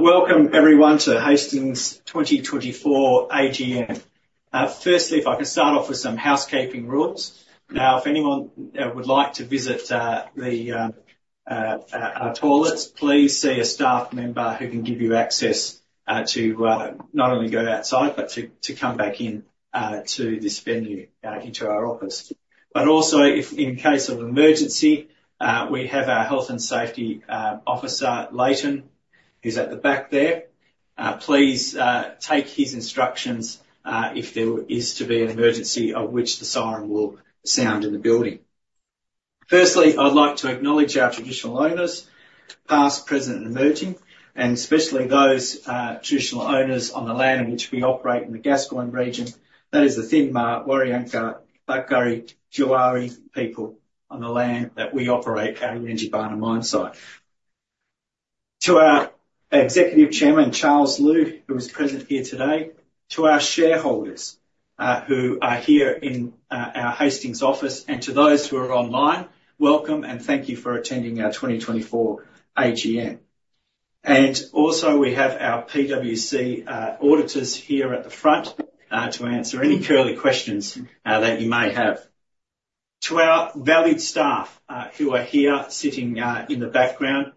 Welcome, everyone, to Hastings 2024 AGM. Firstly, if I can start off with some housekeeping rules. Now, if anyone would like to visit our toilets, please see a staff member who can give you access to not only go outside but to come back in to this venue, into our office. But also, in case of an emergency, we have our Health and Safety Officer, Leighton, who's at the back there. Please take his instructions if there is to be an emergency of which the siren will sound in the building. Firstly, I'd like to acknowledge our traditional owners, past, present, and emerging, and especially those traditional owners on the land in which we operate in the Gascoyne region, that is the Thiin-Mah, Warriyangka, Tharrkari, and Jiwarli people on the land that we operate our Yangibana mine site. To our Executive Chairman, Charles Lew, who is present here today, to our shareholders who are here in our Hastings office, and to those who are online, welcome and thank you for attending our 2024 AGM, and also, we have our PwC auditors here at the front to answer any curly questions that you may have. To our valued staff who are here sitting in the background,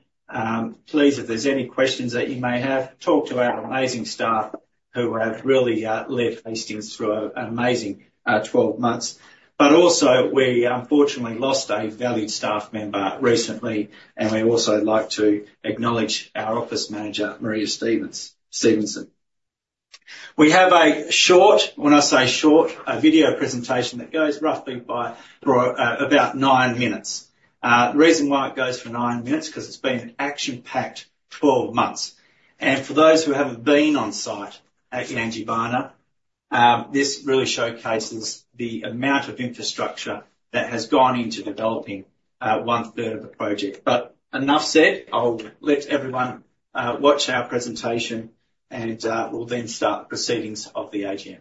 please, if there's any questions that you may have, talk to our amazing staff who have really led Hastings through an amazing 12 months, but also, we unfortunately lost a valued staff member recently, and we'd also like to acknowledge our Office Manager, Maria Stevenson. We have a short, when I say short, a video presentation that goes roughly by about nine minutes. The reason why it goes for nine minutes is because it's been an action-packed 12 months. For those who haven't been on site at Yangibana, this really showcases the amount of infrastructure that has gone into developing one-third of the project. Enough said, I'll let everyone watch our presentation, and we'll then start the proceedings of the AGM.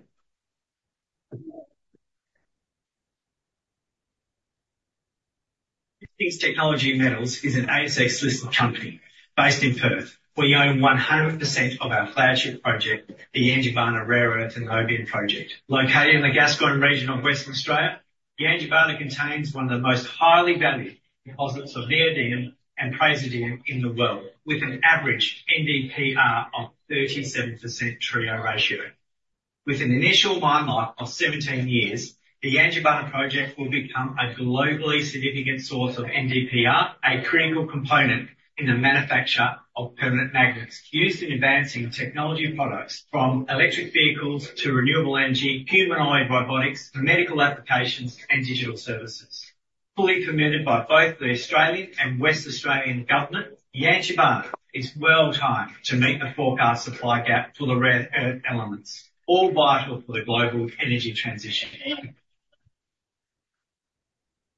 Hastings Technology Metals is an ASX-listed company based in Perth. We own 100% of our flagship project, the Yangibana Rare Earth & Niobium Project. Located in the Gascoyne region of Western Australia, Yangibana contains one of the most highly valued deposits of neodymium and praseodymium in the world, with an average NdPr of 37% TREO ratio. With an initial mine life of 17 years, the Yangibana project will become a globally significant source of NdPr, a critical component in the manufacture of permanent magnets used in advancing technology products from electric vehicles to renewable energy, humanoid robotics, medical applications, and digital services. Fully permitted by both the Australian and West Australian government, Yangibana is well-timed to meet the forecast supply gap for the rare earth elements, all vital for the global energy transition.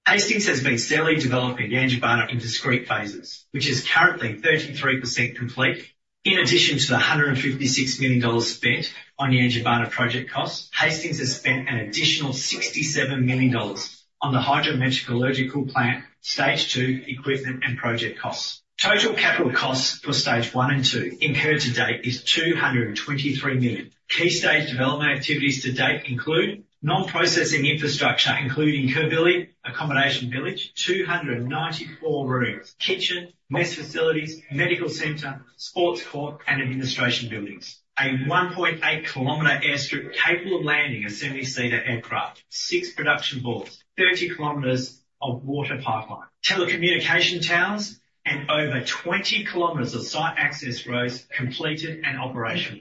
Hastings has been steadily developing Yangibana in discrete phases, which is currently 33% complete. In addition to the 156 million dollars spent on Yangibana project costs, Hastings has spent an additional 67 million dollars on the Hydrometallurgical Plant stage two equipment and project costs. Total capital costs for Stage I and II incurred to date is 223 million. Key stage development activities to date include non-processing infrastructure, including Kurrabi Village, Accommodation Village, 294 rooms, kitchen, mess facilities, medical center, sports court, and administration buildings, a 1.8 KM airstrip capable of landing a 70-seater aircraft, six production vaults, 30 KM of water pipeline, telecommunication towers, and over 20 KM of site access roads completed and operational.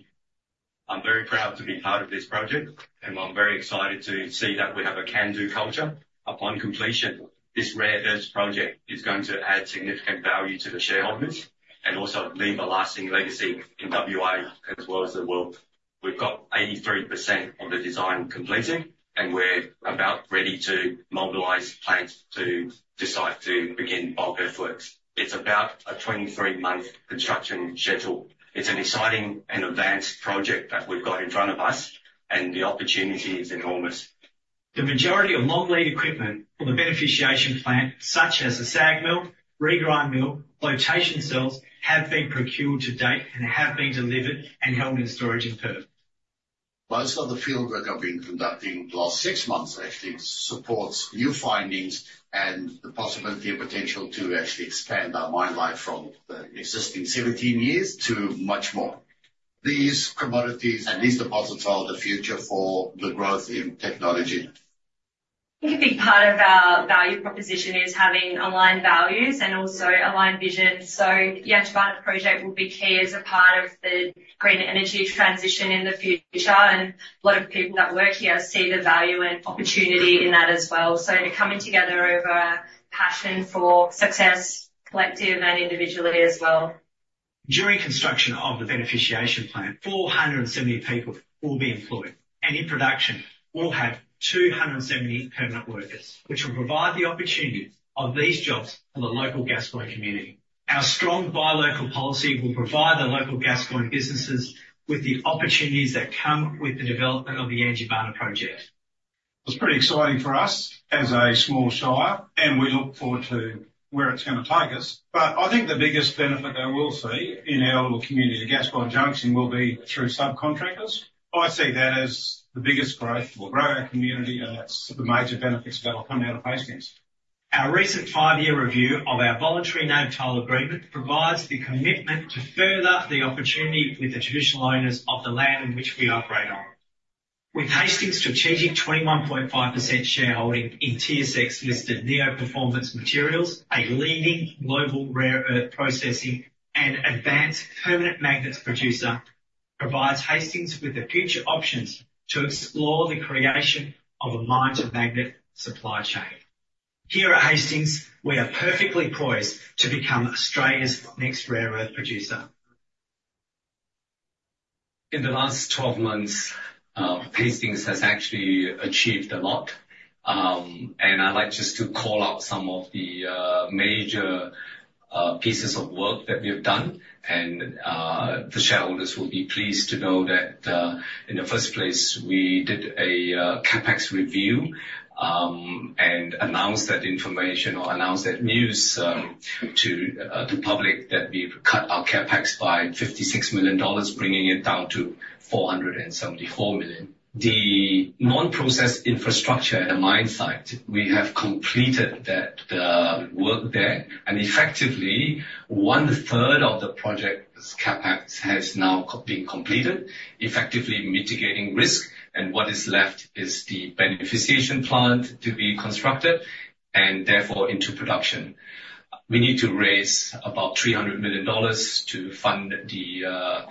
I'm very proud to be part of this project, and I'm very excited to see that we have a can-do culture. Upon completion, this rare earth project is going to add significant value to the shareholders and also leave a lasting legacy in WA as well as the world. We've got 83% of the design completed, and we're about ready to mobilize plant to site to begin bulk earthworks. It's about a 23-month construction schedule. It's an exciting and advanced project that we've got in front of us, and the opportunity is enormous. The majority of long lead equipment for the beneficiation plant, such as the SAG mill, regrind mill, flotation cells, have been procured to date and have been delivered and held in storage in Perth. Most of the fieldwork I've been conducting the last six months actually supports new findings and the possibility of potential to actually expand our mine life from the existing 17 years to much more. These commodities and these deposits are the future for the growth in technology. I think a big part of our value proposition is having aligned values and also aligned vision. So the Yangibana project will be key as a part of the green energy transition in the future, and a lot of people that work here see the value and opportunity in that as well. So they're coming together over a passion for success, collective and individually as well. During construction of the beneficiation plant, 470 people will be employed, and in production, we'll have 270 permanent workers, which will provide the opportunity of these jobs for the local Gascoyne community. Our strong buy-local policy will provide the local Gascoyne businesses with the opportunities that come with the development of the Yangibana project. It's pretty exciting for us as a small shire, and we look forward to where it's going to take us. But I think the biggest benefit that we'll see in our little community, the Gascoyne Junction, will be through subcontractors. I see that as the biggest growth. We'll grow our community, and that's the major benefits that'll come out of Hastings. Our recent five-year review of our voluntary Native Title toll agreement provides the commitment to further the opportunity with the traditional owners of the land in which we operate on. With Hastings' strategic 21.5% shareholding in TSX-listed Neo Performance Materials, a leading global rare earth processing and advanced permanent magnets producer, it provides Hastings with the future options to explore the creation of a mine-to-magnet supply chain. Here at Hastings, we are perfectly poised to become Australia's next rare earth producer. In the last 12 months, Hastings has actually achieved a lot. And I'd like just to call out some of the major pieces of work that we've done. And the shareholders will be pleased to know that in the first place, we did a CapEx review and announced that information or announced that news to the public that we've cut our CapEx by 56 million dollars, bringing it down to 474 million. The non-process infrastructure at the mine site, we have completed that work there. And effectively, one-third of the project's CapEx has now been completed, effectively mitigating risk. And what is left is the beneficiation plant to be constructed and therefore into production. We need to raise about $300 million to fund the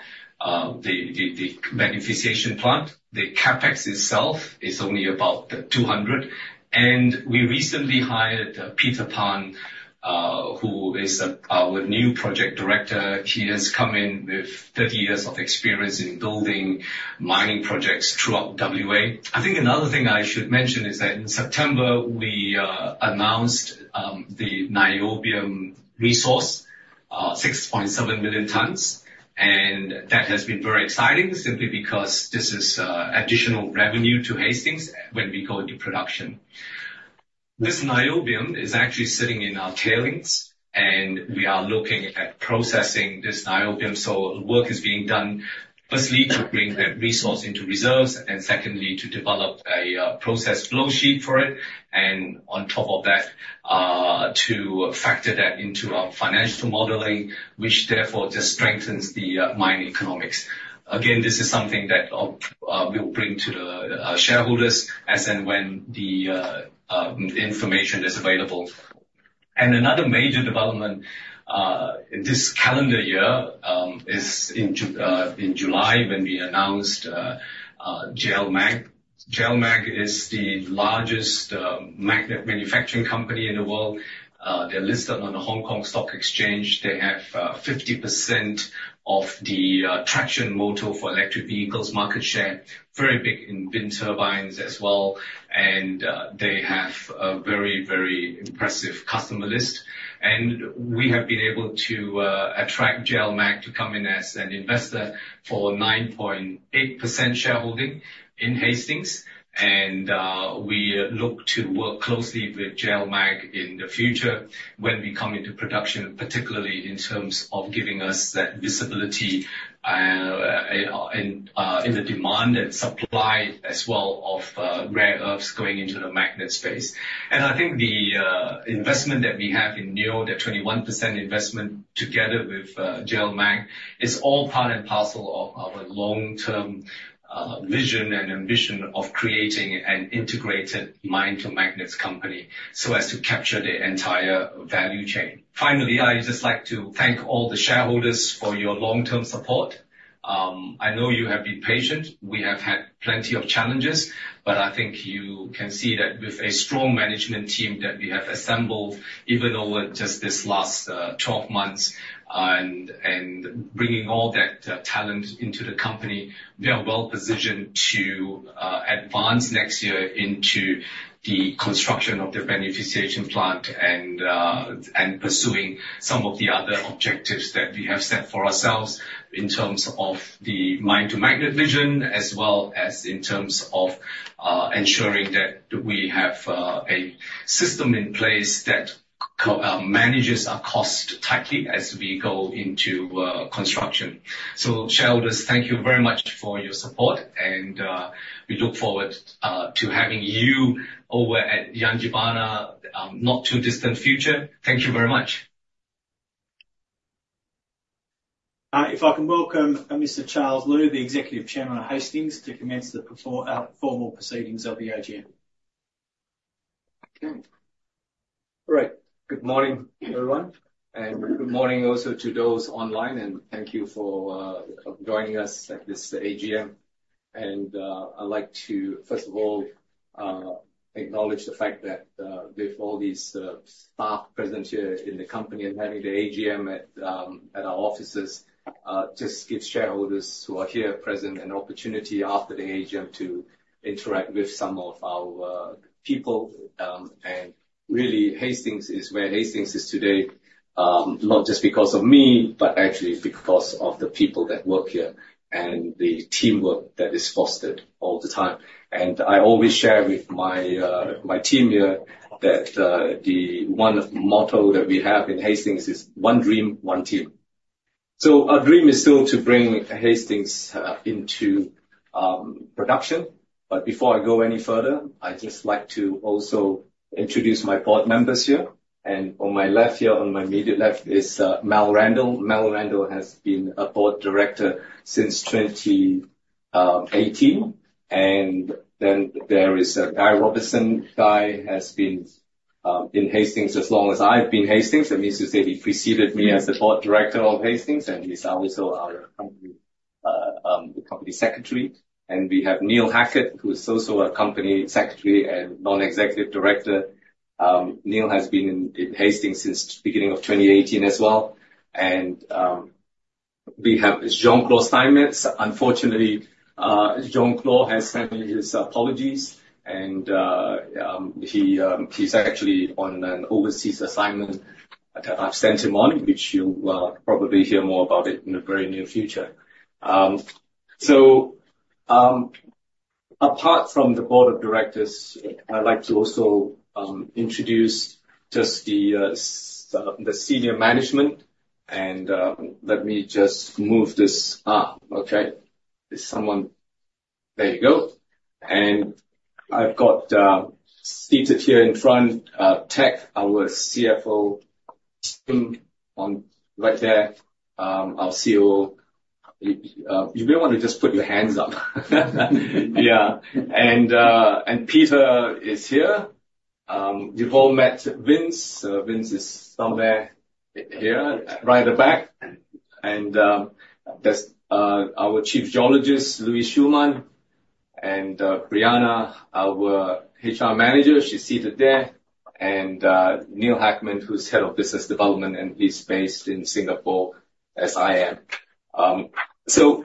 beneficiation plant. The CapEx itself is only about $200. And we recently hired Peter Phan, who is our new project director. He has come in with 30 years of experience in building mining projects throughout WA. I think another thing I should mention is that in September, we announced the niobium resource, 6.7 million tonnes, and that has been very exciting simply because this is additional revenue to Hastings when we go into production. This niobium is actually sitting in our tailings, and we are looking at processing this niobium. So work is being done, firstly, to bring that resource into reserves and secondly, to develop a process flowsheet for it. And on top of that, to factor that into our financial modelling, which therefore just strengthens the mine economics. Again, this is something that we'll bring to the shareholders as and when the information is available. Another major development this calendar year is in July when we announced JL MAG. JL MAG is the largest magnet manufacturing company in the world. They're listed on the Hong Kong Stock Exchange. They have 50% of the traction motor for electric vehicles market share, very big in wind turbines as well. And they have a very, very impressive customer list. And we have been able to attract JL MAG to come in as an investor for 9.8% shareholding in Hastings. And we look to work closely with JL MAG in the future when we come into production, particularly in terms of giving us that visibility in the demand and supply as well of rare earths going into the magnet space. And I think the investment that we have in Neo, that 21% investment together with JL MAG, is all part and parcel of our long-term vision and ambition of creating an integrated mine-to-magnets company so as to capture the entire value chain. Finally, I'd just like to thank all the shareholders for your long-term support.I know you have been patient. We have had plenty of challenges, but I think you can see that with a strong management team that we have assembled even over just this last 12 months and bringing all that talent into the company, they are well-positioned to advance next year into the construction of the beneficiation plant and pursuing some of the other objectives that we have set for ourselves in terms of the mine-to-magnet vision, as well as in terms of ensuring that we have a system in place that manages our cost tightly as we go into construction. So shareholders, thank you very much for your support, and we look forward to having you over at Yangibana in the not-too-distant future. Thank you very much. If I can welcome Mr. Charles Lew, the Executive Chairman of Hastings, to commence the formal proceedings of the AGM. All right. Good morning, everyone. And good morning also to those online, and thank you for joining us at this AGM. And I'd like to, first of all, acknowledge the fact that with all these staff present here in the company and having the AGM at our offices, just gives shareholders who are here present an opportunity after the AGM to interact with some of our people. And really, Hastings is where Hastings is today, not just because of me, but actually because of the people that work here and the teamwork that is fostered all the time. And I always share with my team here that the one motto that we have in Hastings is "One Dream, One Team." So our dream is still to bring Hastings into production. But before I go any further, I'd just like to also introduce my board members here. On my left here, on my immediate left, is Mal Randall. Mal Randall has been a board director since 2018. And then there is Guy Robertson. Guy has been in Hastings as long as I've been in Hastings. That means to say he preceded me as the board director of Hastings, and he's also our company secretary. And we have Neil Hackett, who is also our company secretary and non-executive director. Neil has been in Hastings since the beginning of 2018 as well. And we have Jean-Claude Steinmetz. Unfortunately, Jean-Claude has sent his apologies, and he's actually on an overseas assignment that I've sent him on, which you'll probably hear more about in the very near future. So apart from the board of directors, I'd like to also introduce just the senior management. And let me just move this up. Okay. There's someone. There you go. And I've got seated here in front, Teck, our CFO, right there. I see you all. You may want to just put your hands up. Yeah. And Peter is here. You've all met Vince. Vince is somewhere here, right at the back. And there's our Chief Geologist, Louis Schürmann, and Brianna, our HR Manager. She's seated there. And Neil Hack, who's Head of Business Development, and he's based in Singapore, as I am. So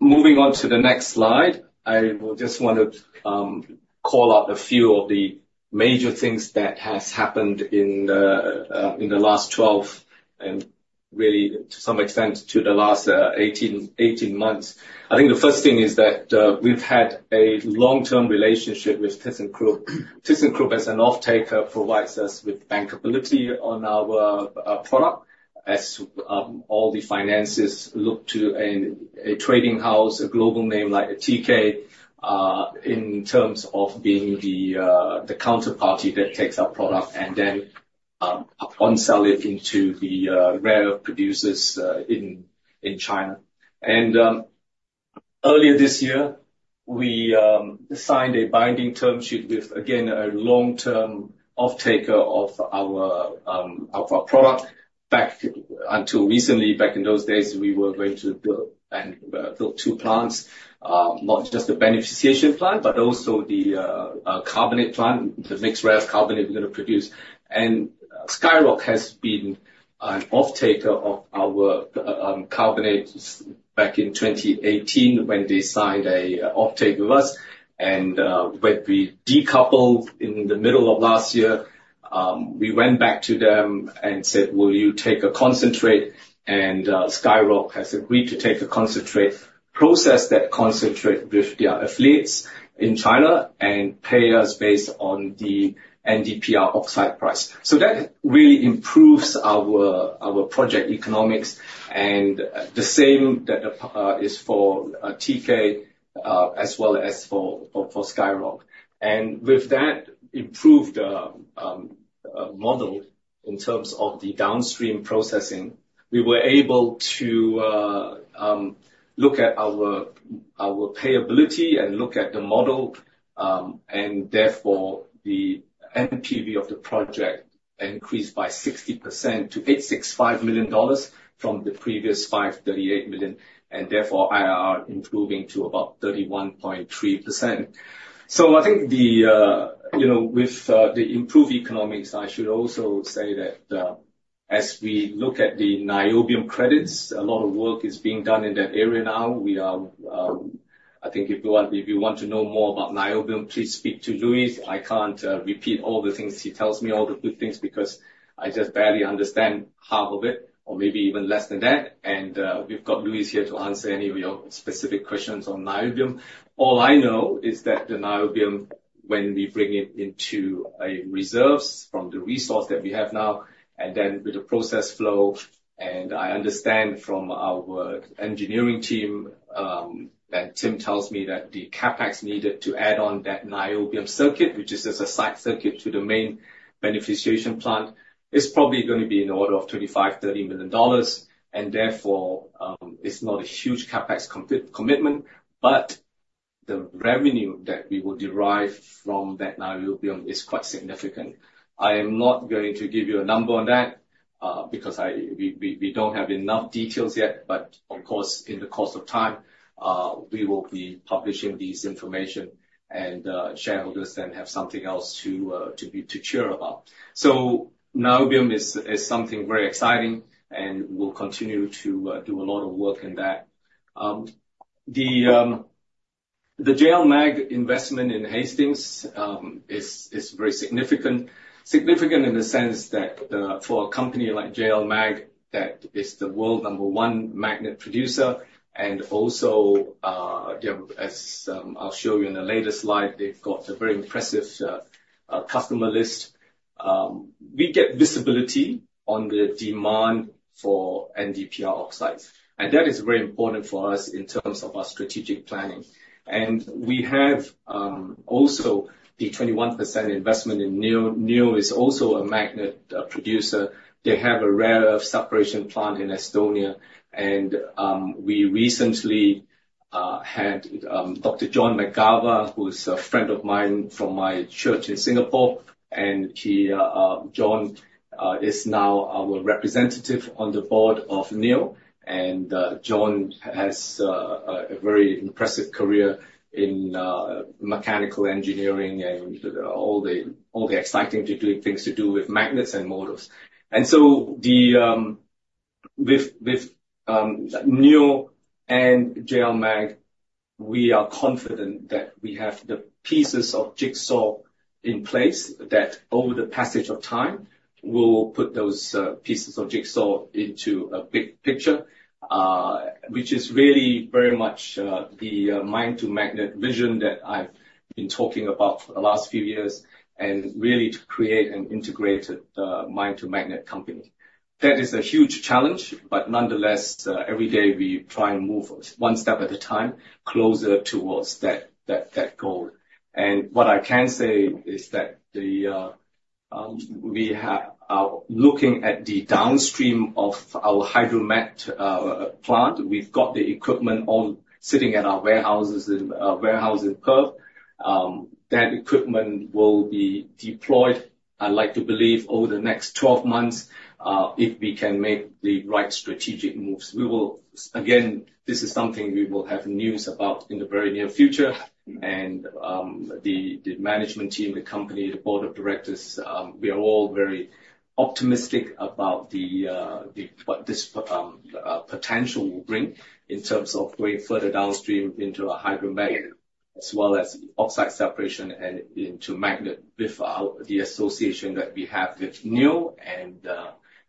moving on to the next slide, I just want to call out a few of the major things that have happened in the last 12 and really, to some extent, to the last 18 months. I think the first thing is that we've had a long-term relationship with ThyssenKrupp. ThyssenKrupp, as an off-taker, provides us with bankability on our product as all the finances look to a trading house, a global name like TK, in terms of being the counterparty that takes our product and then upon selling it into the rare earth producers in China. Earlier this year, we signed a binding term sheet with, again, a long-term off-taker of our product. Back until recently, back in those days, we were going to build two plants, not just the beneficiation plant, but also the carbonate plant, the mixed rare earth carbonate we're going to produce. SkyRock has been an off-taker of our carbonate back in 2018 when they signed an off-take with us. When we decoupled in the middle of last year, we went back to them and said, "Will you take a concentrate?" SkyRock has agreed to take a concentrate, process that concentrate with their affiliates in China, and pay us based on the NdPr oxide price. That really improves our project economics. The same is true for TK as well as for SkyRock. With that improved model in terms of the downstream processing, we were able to look at our payability and look at the model, and therefore the NPV of the project increased by 60% to 865 million dollars from the previous 538 million. Therefore, IRR improving to about 31.3%. With the improved economics, I should also say that as we look at the niobium credits, a lot of work is being done in that area now. I think if you want to know more about niobium, please speak to Louis. I can't repeat all the things he tells me, all the good things, because I just barely understand half of it, or maybe even less than that. And we've got Louis here to answer any of your specific questions on niobium. All I know is that the niobium, when we bring it into reserves from the resource that we have now, and then with the process flow, and I understand from our engineering team, and Tim tells me that the CapEx needed to add on that niobium circuit, which is just a side circuit to the main beneficiation plant, is probably going to be in the order of 25-30 million dollars. And therefore, it's not a huge CapEx commitment, but the revenue that we will derive from that niobium is quite significant. I am not going to give you a number on that because we don't have enough details yet. But of course, in the course of time, we will be publishing this information, and shareholders then have something else to cheer about. So niobium is something very exciting, and we'll continue to do a lot of work in that. The JL MAG investment in Hastings is very significant, significant in the sense that for a company like JL MAG, that is the world number one magnet producer. And also, as I'll show you in the later slide, they've got a very impressive customer list. We get visibility on the demand for NdPr oxides. And that is very important for us in terms of our strategic planning. And we have also the 21% investment in Neo. Neo is also a magnet producer. They have a rare earth separation plant in Estonia. We recently had Dr. John McGagh, who's a friend of mine from my church in Singapore. John is now our representative on the board of Neo. John has a very impressive career in mechanical engineering and all the exciting things to do with magnets and motors. With Neo and JL MAG, we are confident that we have the pieces of jigsaw in place that over the passage of time, we'll put those pieces of jigsaw into a big picture, which is really very much the mine-to-magnet vision that I've been talking about for the last few years, and really to create an integrated mine-to-magnet company. That is a huge challenge, but nonetheless, every day we try and move one step at a time closer towards that goal. What I can say is that we are looking at the downstream of our hydromet plant. We've got the equipment all sitting at our warehouses in Perth. That equipment will be deployed, I'd like to believe, over the next 12 months if we can make the right strategic moves. Again, this is something we will have news about in the very near future. And the management team, the company, the board of directors, we are all very optimistic about what this potential will bring in terms of going further downstream into a hydromet as well as oxide separation and into magnet with the association that we have with Neo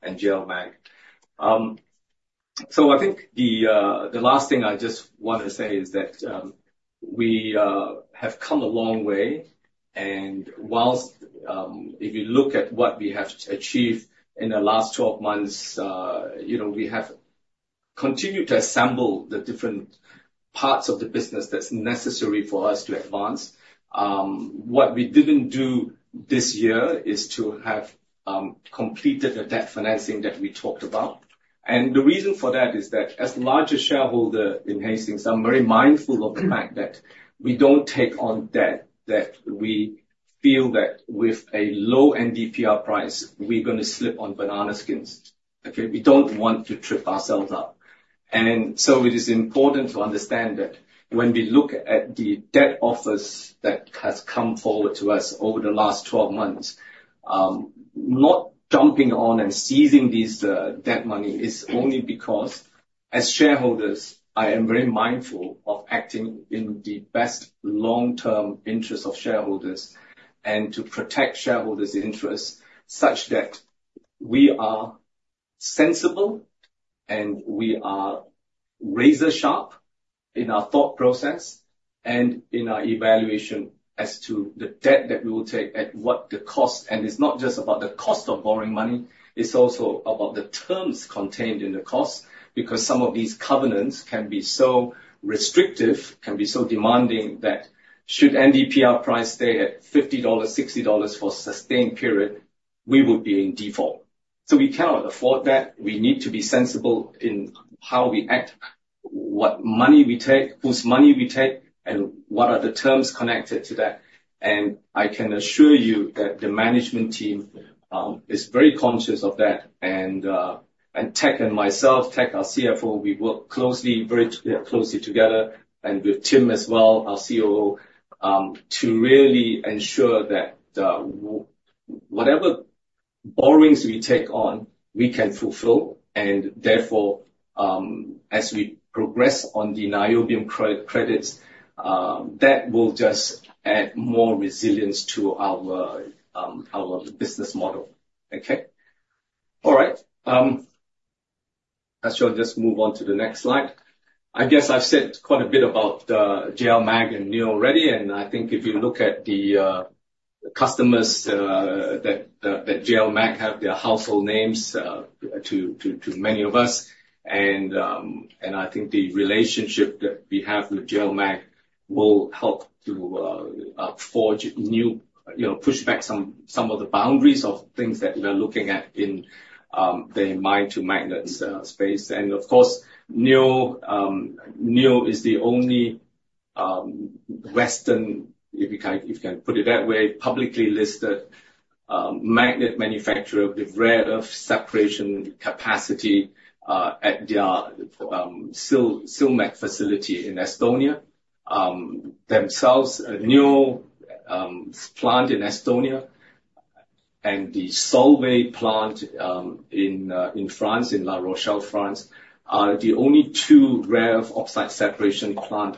and JL MAG. So I think the last thing I just want to say is that we have come a long way. And if you look at what we have achieved in the last 12 months, we have continued to assemble the different parts of the business that's necessary for us to advance. What we didn't do this year is to have completed the debt financing that we talked about. And the reason for that is that as a larger shareholder in Hastings, I'm very mindful of the fact that we don't take on debt that we feel that with a low NdPr price, we're going to slip on banana skins. Okay? We don't want to trip ourselves up. And so it is important to understand that when we look at the debt offers that have come forward to us over the last 12 months, not jumping on and seizing this debt money is only because, as shareholders, I am very mindful of acting in the best long-term interest of shareholders and to protect shareholders' interests such that we are sensible and we are razor-sharp in our thought process and in our evaluation as to the debt that we will take at what the cost. And it's not just about the cost of borrowing money. It's also about the terms contained in the cost because some of these covenants can be so restrictive, can be so demanding that should NdPr price stay at 50 dollars-AUD60 for a sustained period, we would be in default. So we cannot afford that. We need to be sensible in how we act, what money we take, whose money we take, and what are the terms connected to that. And I can assure you that the management team is very conscious of that. And Teck and myself, Teck, our CFO, we work closely together, and with Tim as well, our COO, to really ensure that whatever borrowings we take on, we can fulfill. And therefore, as we progress on the niobium credits, that will just add more resilience to our business model. Okay? All right. I shall just move on to the next slide. I guess I've said quite a bit about JL MAG and Neo already. And I think if you look at the customers that JL MAG have, they're household names to many of us. I think the relationship that we have with JL MAG will help to forge new, push back some of the boundaries of things that we're looking at in the mine-to-magnets space. And of course, Neo is the only Western, if you can put it that way, publicly listed magnet manufacturer with rare earth separation capacity at their Silmet facility in Estonia. The Neo plant in Estonia and the Solvay plant in France, in La Rochelle, France, are the only two rare earth oxide separation plant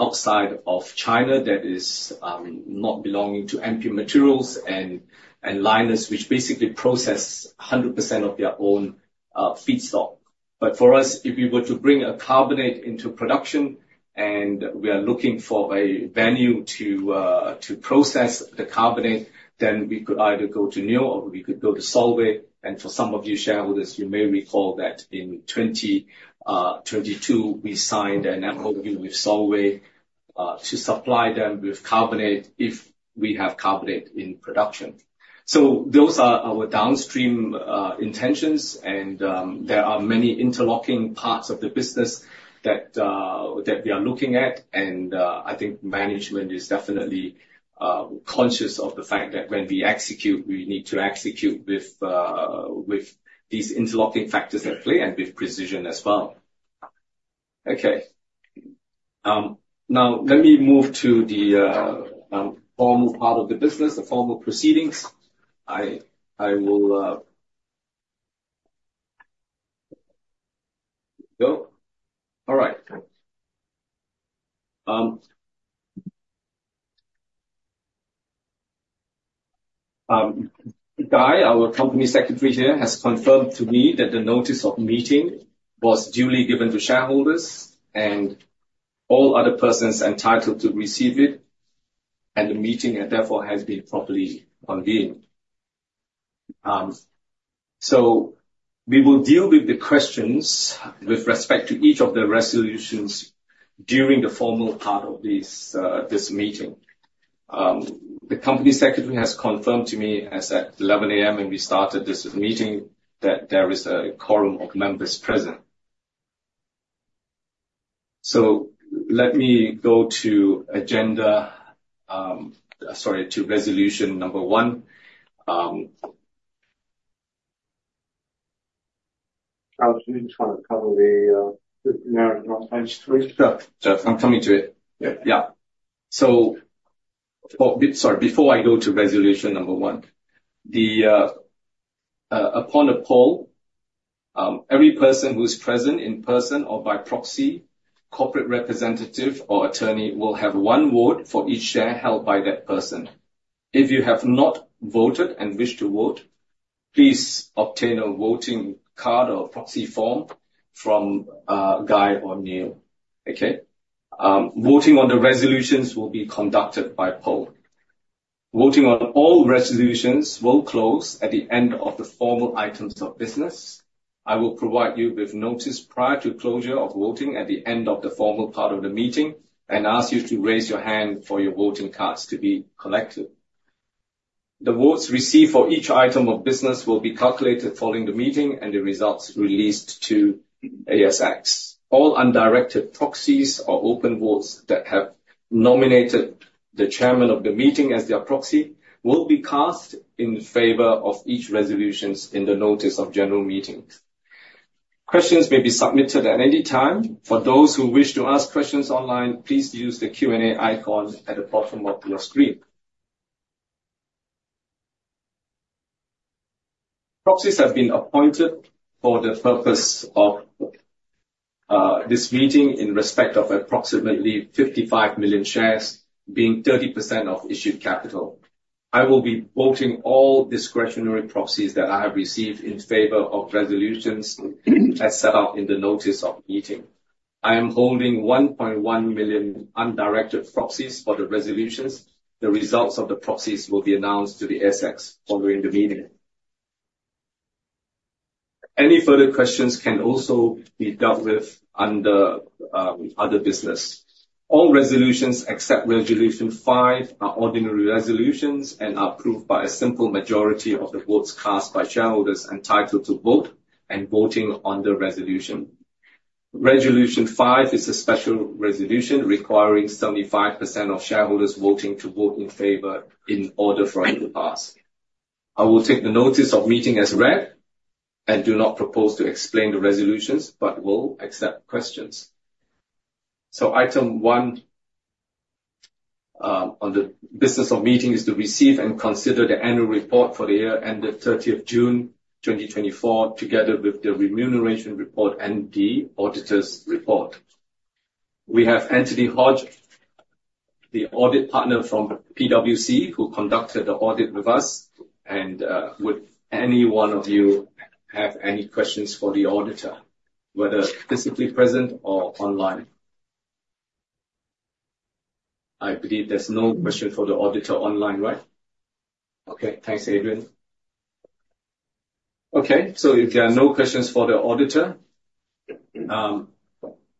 outside of China that is not belonging to MP Materials and Lynas, which basically process 100% of their own feedstock. But for us, if we were to bring a carbonate into production and we are looking for a venue to process the carbonate, then we could either go to Neo or we could go to Solvay. For some of you shareholders, you may recall that in 2022, we signed an MOU with Solvay to supply them with carbonate if we have carbonate in production. Those are our downstream intentions. There are many interlocking parts of the business that we are looking at. I think management is definitely conscious of the fact that when we execute, we need to execute with these interlocking factors at play and with precision as well. Okay. Now, let me move to the formal part of the business, the formal proceedings. I will go. All right. Guy, our company secretary here, has confirmed to me that the notice of meeting was duly given to shareholders and all other persons entitled to receive it, and the meeting therefore has been properly convened. So we will deal with the questions with respect to each of the resolutions during the formal part of this meeting. The company secretary has confirmed to me as at 11:00 A.M. when we started this meeting that there is a quorum of members present. Let me go to agenda, sorry, to resolution number one. Alex, you just want to cover the narrative on the next three? Sure. I'm coming to it. Yeah. So sorry, before I go to resolution number one, upon a poll, every person who's present in person or by proxy, corporate representative, or attorney will have one vote for each share held by that person. If you have not voted and wish to vote, please obtain a voting card or proxy form from Guy or Neil. Okay? Voting on the resolutions will be conducted by poll. Voting on all resolutions will close at the end of the formal items of business. I will provide you with notice prior to closure of voting at the end of the formal part of the meeting and ask you to raise your hand for your voting cards to be collected. The votes received for each item of business will be calculated following the meeting and the results released to ASX. All undirected proxies or open votes that have nominated the chairman of the meeting as their proxy will be cast in favor of each resolution in the notice of general meetings. Questions may be submitted at any time. For those who wish to ask questions online, please use the Q&A icon at the bottom of your screen. Proxies have been appointed for the purpose of this meeting in respect of approximately 55 million shares, being 30% of issued capital. I will be voting all discretionary proxies that I have received in favor of resolutions as set out in the notice of meeting. I am holding 1.1 million undirected proxies for the resolutions. The results of the proxies will be announced to the ASX following the meeting. Any further questions can also be dealt with under other business. All resolutions except resolution five are ordinary resolutions and are approved by a simple majority of the votes cast by shareholders entitled to vote and voting on the resolution. Resolution five is a special resolution requiring 75% of shareholders voting to vote in favor in order for it to pass. I will take the Notice of Meeting as read and do not propose to explain the resolutions, but will accept questions. So item one on the business of meeting is to receive and consider the Annual Report for the year ended 30th June 2024, together with the Remuneration Report and the Auditor's Report. We have Anthony Hodge, the Audit Partner from PwC, who conducted the audit with us. And would any one of you have any questions for the auditor, whether physically present or online? I believe there's no question for the auditor online, right? Okay. Thanks, Adrian. Okay. If there are no questions for the auditor,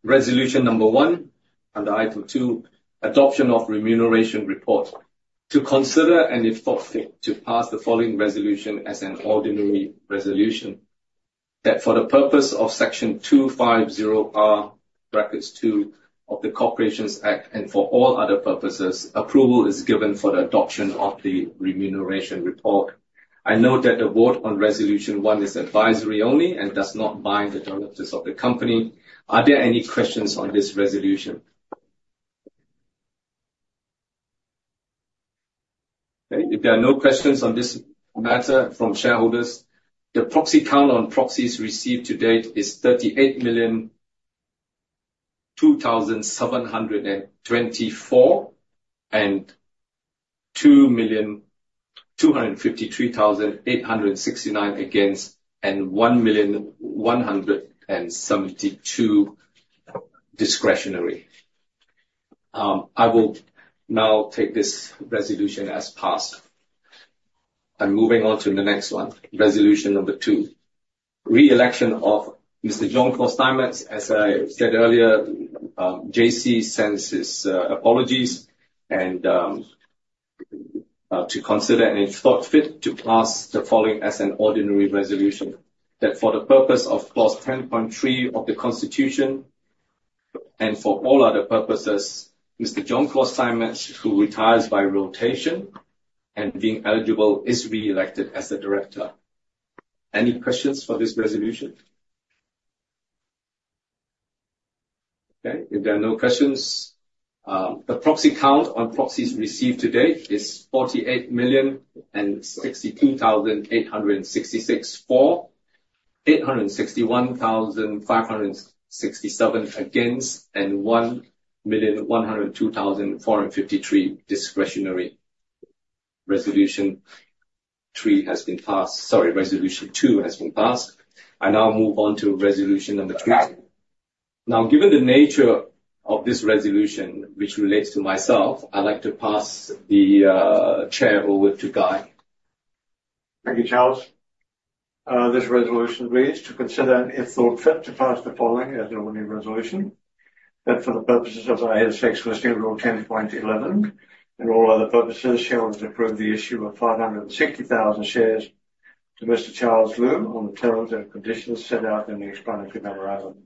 resolution number one under item two, adoption of Remuneration Report. To consider and if thought fit to pass the following resolution as an ordinary resolution that for the purpose of section 250R(2) of the Corporations Act and for all other purposes, approval is given for the adoption of the Remuneration Report. I note that the vote on resolution one is advisory only and does not bind the directors of the company. Are there any questions on this resolution? Okay. If there are no questions on this matter from shareholders, the proxy count on proxies received to date is 38,002,724 and 2,253,869 against and 1,000, 172 discretionary. I will now take this resolution as passed. I'm moving on to the next one, resolution number two, re-election of Mr. Jean-Claude Steinmetz. As I said earlier, JC sends his apologies and to consider and if thought fit to pass the following as an ordinary resolution that for the purpose of clause 10.3 of the Constitution and for all other purposes, Mr. Jean-Claude Steinmetz, who retires by rotation and being eligible, is re-elected as the director. Any questions for this resolution? Okay. If there are no questions, the proxy count on proxies received to date is 48,062,866 for, 861,567 against, and 1,102,453 discretionary. Resolution three has been passed. Sorry, resolution two has been passed. I now move on to resolution number two. Now, given the nature of this resolution, which relates to myself, I'd like to pass the chair over to Guy. Thank you, Charles. This resolution reads to consider and if thought fit to pass the following as an ordinary resolution that for the purposes of ASX listing rule 10.11 and all other purposes, shareholders approve the issue of 560,000 shares to Mr. Charles Lew on the terms and conditions set out in the explanatory memorandum.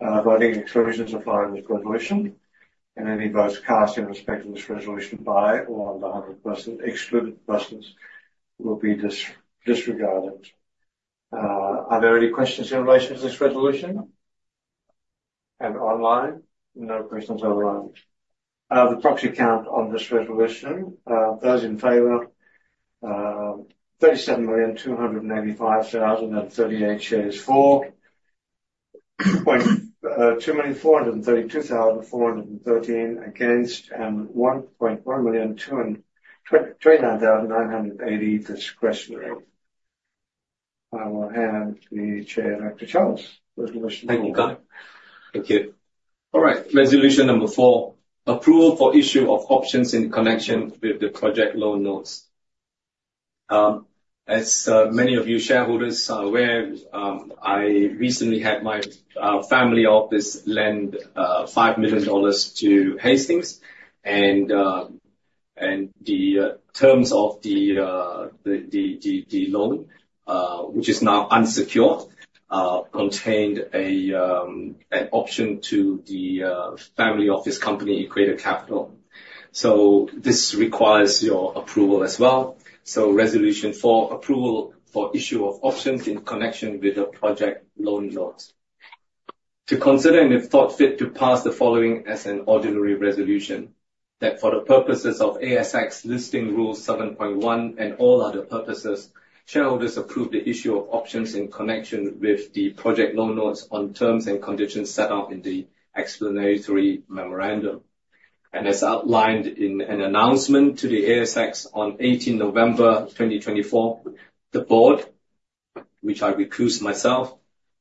Voting exclusions applied to this resolution. And any votes cast in respect to this resolution by or under 100% excluded persons will be disregarded. Are there any questions in relation to this resolution? And online, no questions otherwise. The proxy count on this resolution, those in favor 37,285,038 shares for 2,432,413 against and 1,239,980 discretionary. I will hand the chair to Charles, resolution number one. Thank you, Guy. Thank you. All right. Resolution number four, approval for issue of options in connection with the project loan notes. As many of you shareholders are aware, I recently had my family office lend 5 million dollars to Hastings, and the terms of the loan, which is now unsecured, contained an option to the family office company Equator Capital, so this requires your approval as well. Resolution four, approval for issue of options in connection with the project loan notes. To consider and if thought fit to pass the following as an ordinary resolution that for the purposes of ASX listing rule 7.1 and all other purposes, shareholders approve the issue of options in connection with the project loan notes on terms and conditions set out in the explanatory memorandum. As outlined in an announcement to the ASX on 18 November 2024, the board, which I recuse myself,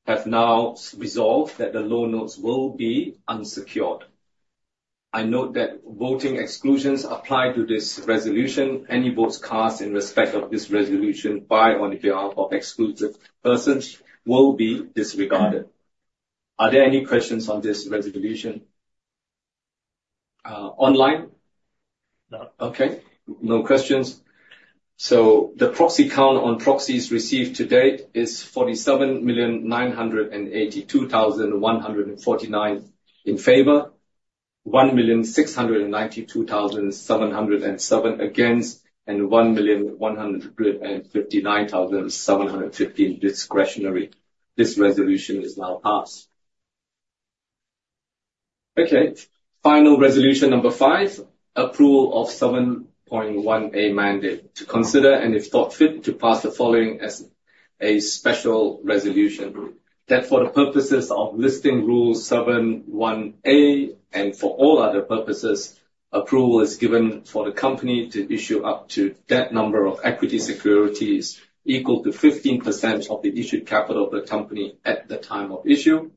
have now resolved that the loan notes will be unsecured. I note that voting exclusions apply to this resolution. Any votes cast in respect of this resolution by or in favor of exclusive persons will be disregarded. Are there any questions on this resolution? Online? Okay. No questions. So the proxy count on proxies received to date is 47,982,149 in favor, 1,692,707 against, and 1,159,715 discretionary. This resolution is now passed. Okay. Final resolution number five, approval of 7.1A mandate. To consider and if thought fit to pass the following as a special resolution that for the purposes of listing rule 7.1A and for all other purposes, approval is given for the company to issue up to that number of equity securities equal to 15% of the issued capital of the company at the time of issue,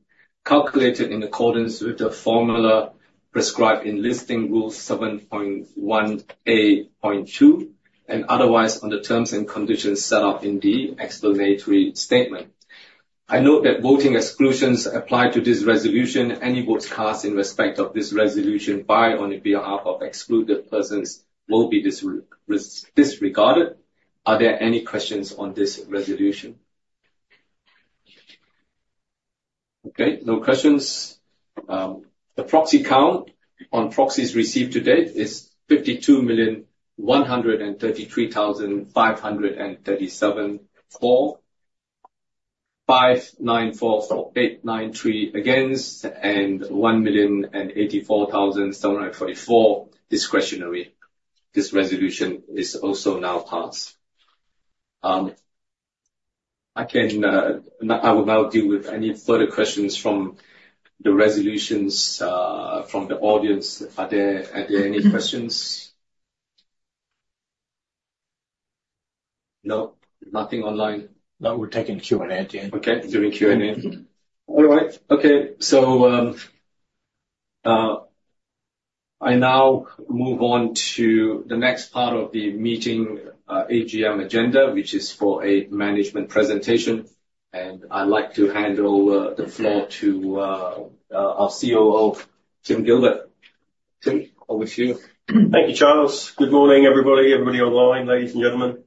calculated in accordance with the formula prescribed in listing rule 7.1A.2 and otherwise on the terms and conditions set out in the explanatory statement. I note that voting exclusions applied to this resolution. Any votes cast in respect of this resolution by or in favor of excluded persons will be disregarded. Are there any questions on this resolution? Okay. No questions. The proxy count on proxies received to date is 52,133,537 for, 594,893 against, and 1,084,744 discretionary. This resolution is also now passed. I will now deal with any further questions from the resolutions from the audience. Are there any questions? No? Nothing online? That will take in Q&A at the end. Okay. During Q&A. All right. Okay. So I now move on to the next part of the meeting AGM agenda, which is for a management presentation. And I'd like to hand over the floor to our COO, Tim Gilbert. Tim, over to you. Thank you, Charles. Good morning, everybody. Everybody online, ladies and gentlemen.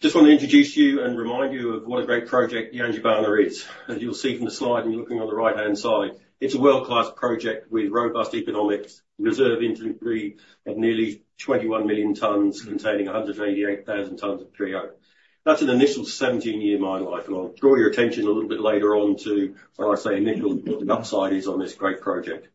Just want to introduce you and remind you of what a great project the Yangibana is. As you'll see from the slide and looking on the right-hand side, it's a world-class project with robust economics, reserve inventory of nearly 21 million tons, containing 188,000 tons of TREO. That's an initial 17-year mine life. And I'll draw your attention a little bit later on to what I say initially what the upside is on this great project.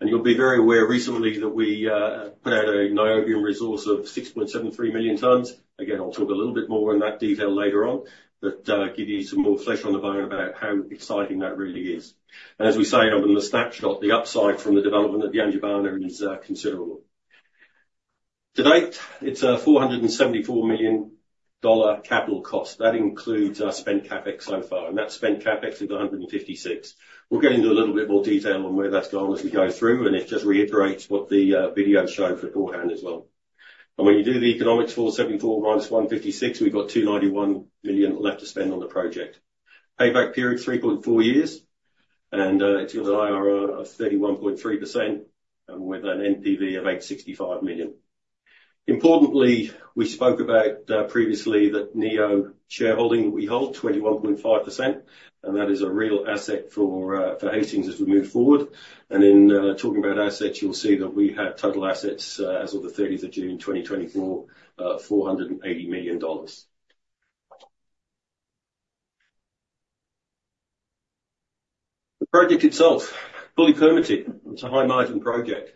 And you'll be very aware recently that we put out a Niobium resource of 6.73 million tons. Again, I'll talk a little bit more in that detail later on, but give you some more flesh on the bone about how exciting that really is. And as we say on the snapshot, the upside from the development of the Yangibana is considerable. To date, it's a 474 million dollar capital cost. That includes our spent CapEx so far, and net spent CapEx is 156 million. We'll get into a little bit more detail on where that's gone as we go through, and it just reiterates what the video showed beforehand as well, and when you do the economics for 474 million minus 156 million; we've got 291 million left to spend on the project. Payback period, 3.4 years, and it's going to allow a 31.3% with an NPV of 865 million. Importantly, we spoke about previously that Neo shareholding that we hold, 21.5%, and that is a real asset for Hastings as we move forward, and in talking about assets, you'll see that we have total assets as of the 30th of June 2024, AUD 480 million. The project itself, fully permitted, it's a high-margin project.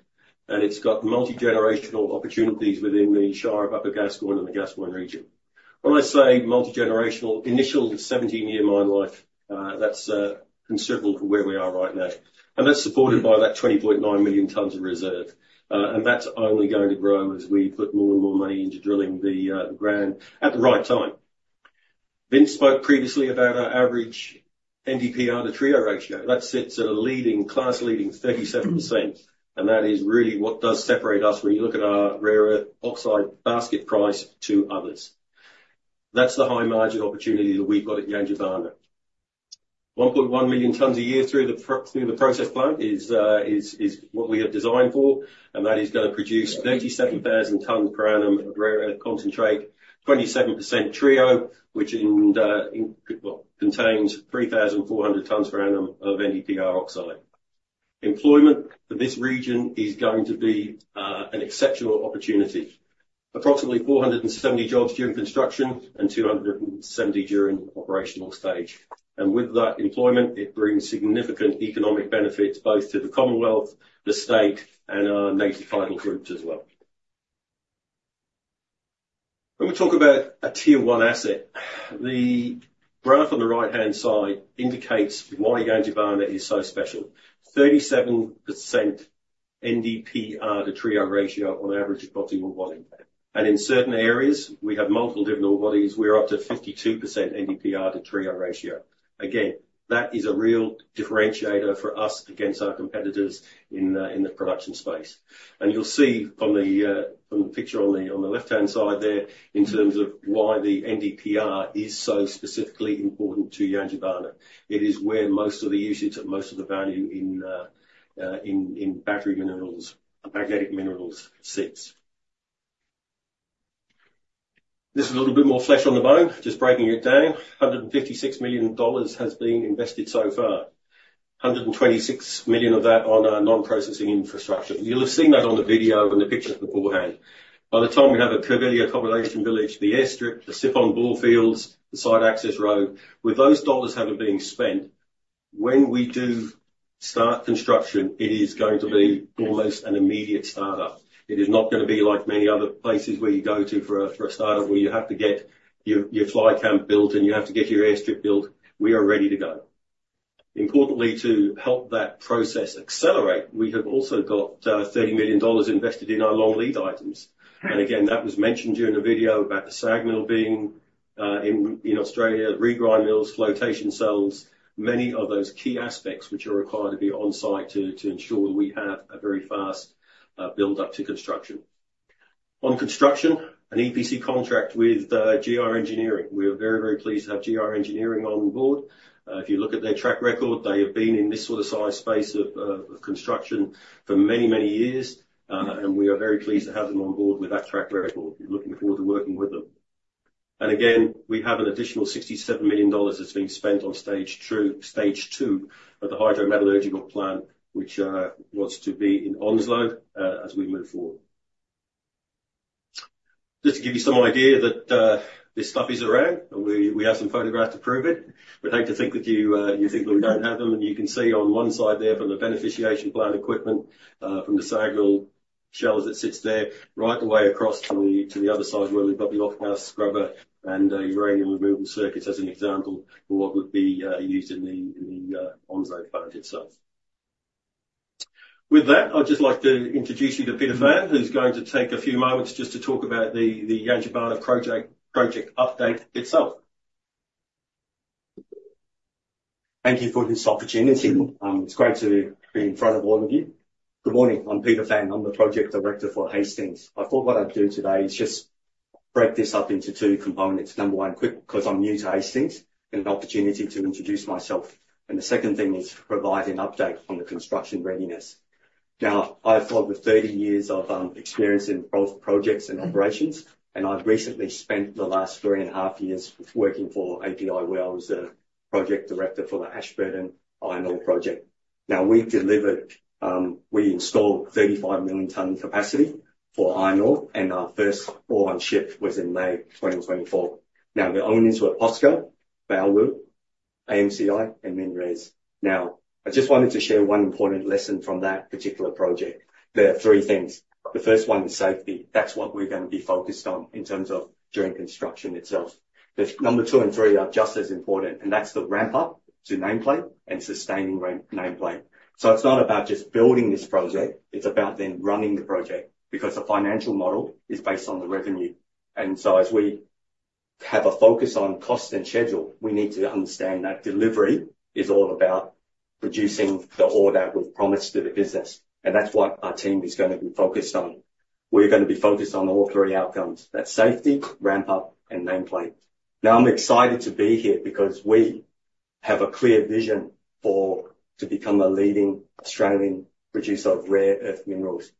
It's got multi-generational opportunities within the Shire of Upper Gascoyne and the Gascoyne region. When I say multi-generational, initial 17-year mine life, that's considerable for where we are right now. And that's supported by that 20.9 million tons of reserve. And that's only going to grow as we put more and more money into drilling the ground at the right time. Vince spoke previously about our average NdPr, the TREO ratio. That sits at a leading class, leading 37%. And that is really what does separate us when you look at our rare earth oxide basket price to others. That's the high-margin opportunity that we've got at the Yangibana. 1.1 million tons a year through the process plant is what we have designed for. And that is going to produce 37,000 tons per annum of rare earth concentrate, 27% TREO, which contains 3,400 tons per annum of NdPr oxide. Employment for this region is going to be an exceptional opportunity. Approximately 470 jobs during construction and 270 during operational stage. And with that employment, it brings significant economic benefits both to the Commonwealth, the state, and our native title groups as well. When we talk about a Tier-one asset, the graph on the right-hand side indicates why Yangibana is so special. 37% NdPr to TREO ratio on average orebody or orebody. And in certain areas, we have multiple different ore bodies. We're up to 52% NdPr to TREO ratio. Again, that is a real differentiator for us against our competitors in the production space. And you'll see from the picture on the left-hand side there in terms of why the NdPr is so specifically important to Yangibana. It is where most of the usage and most of the value in battery minerals, magnetic minerals sits. This is a little bit more flesh on the bone, just breaking it down. 156 million dollars has been invested so far. 126 million of that on our non-process infrastructure. You'll have seen that on the video and the pictures beforehand. By the time we have a Kurrabi Accommodation Village, the airstrip, the sports ball fields, the site access road, with those dollars having been spent, when we do start construction, it is going to be almost an immediate startup. It is not going to be like many other places where you go to for a startup where you have to get your fly camp built and you have to get your airstrip built. We are ready to go. Importantly, to help that process accelerate, we have also got 30 million dollars invested in our long lead items. And again, that was mentioned during the video about the SAG mill being in Australia, regrind mills, flotation cells, many of those key aspects which are required to be on site to ensure that we have a very fast build-up to construction. On construction, an EPC contract with GR Engineering. We are very, very pleased to have GR Engineering on board. If you look at their track record, they have been in this sort of size space of construction for many, many years. And we are very pleased to have them on board with that track record. We're looking forward to working with them. And again, we have an additional 67 million dollars that's been spent on Stage II at the hydrometallurgical plant, which wants to be in Onslow as we move forward. Just to give you some idea that this stuff is around. We have some photographs to prove it. But I hate to think that you think that we don't have them. And you can see on one side there from the beneficiation plant equipment from the SAG mill shells that sits there, right the way across to the other side where we've got the off-gas scrubber and uranium removal circuits as an example of what would be used in the Onslow plant itself. With that, I'd just like to introduce you to Peter Phan, who's going to take a few moments just to talk about the Yangibana project update itself. Thank you for this opportunity. It's great to be in front of all of you. Good morning. I'm Peter Phan. I'm the project director for Hastings. I thought what I'd do today is just break this up into two components. Number one, quick, because I'm new to Hastings, and an opportunity to introduce myself. And the second thing is to provide an update on the construction readiness. Now, I've followed with 30 years of experience in both projects and operations. And I've recently spent the last 3.5 years working for API, where I was a project director for the Ashburton iron ore project. Now, we've delivered. We installed 35 million ton capacity for iron ore. And our first ore-on-ship was in May 2024. Now, the owners were POSCO, Baowu, AMCI, and MinRes. Now, I just wanted to share one important lesson from that particular project. There are three things. The first one is safety. That's what we're going to be focused on in terms of during construction itself. Number two and three are just as important. And that's the ramp-up to nameplate and sustaining nameplate. So it's not about just building this project. It's about then running the project because the financial model is based on the revenue. And so as we have a focus on cost and schedule, we need to understand that delivery is all about producing the order we've promised to the business. And that's what our team is going to be focused on. We're going to be focused on all three outcomes: that safety, ramp-up, and nameplate. Now, I'm excited to be here because we have a clear vision to become a leading Australian producer of rare earth minerals.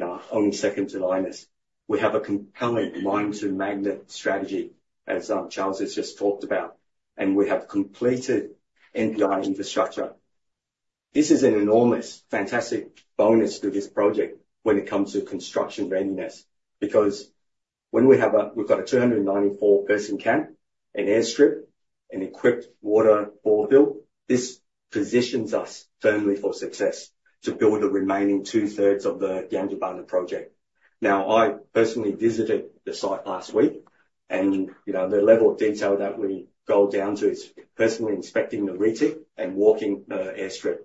Our only second to Lynas. We have a compelling mine-to-magnet strategy, as Charles has just talked about. We have completed NPI infrastructure. This is an enormous, fantastic bonus to this project when it comes to construction readiness because we've got a 294-person camp, an airstrip, an equipped water borefield. This positions us firmly for success to build the remaining two-thirds of the Yangibana project. Now, I personally visited the site last week. The level of detail that we go down to is personally inspecting the tip and walking the airstrip.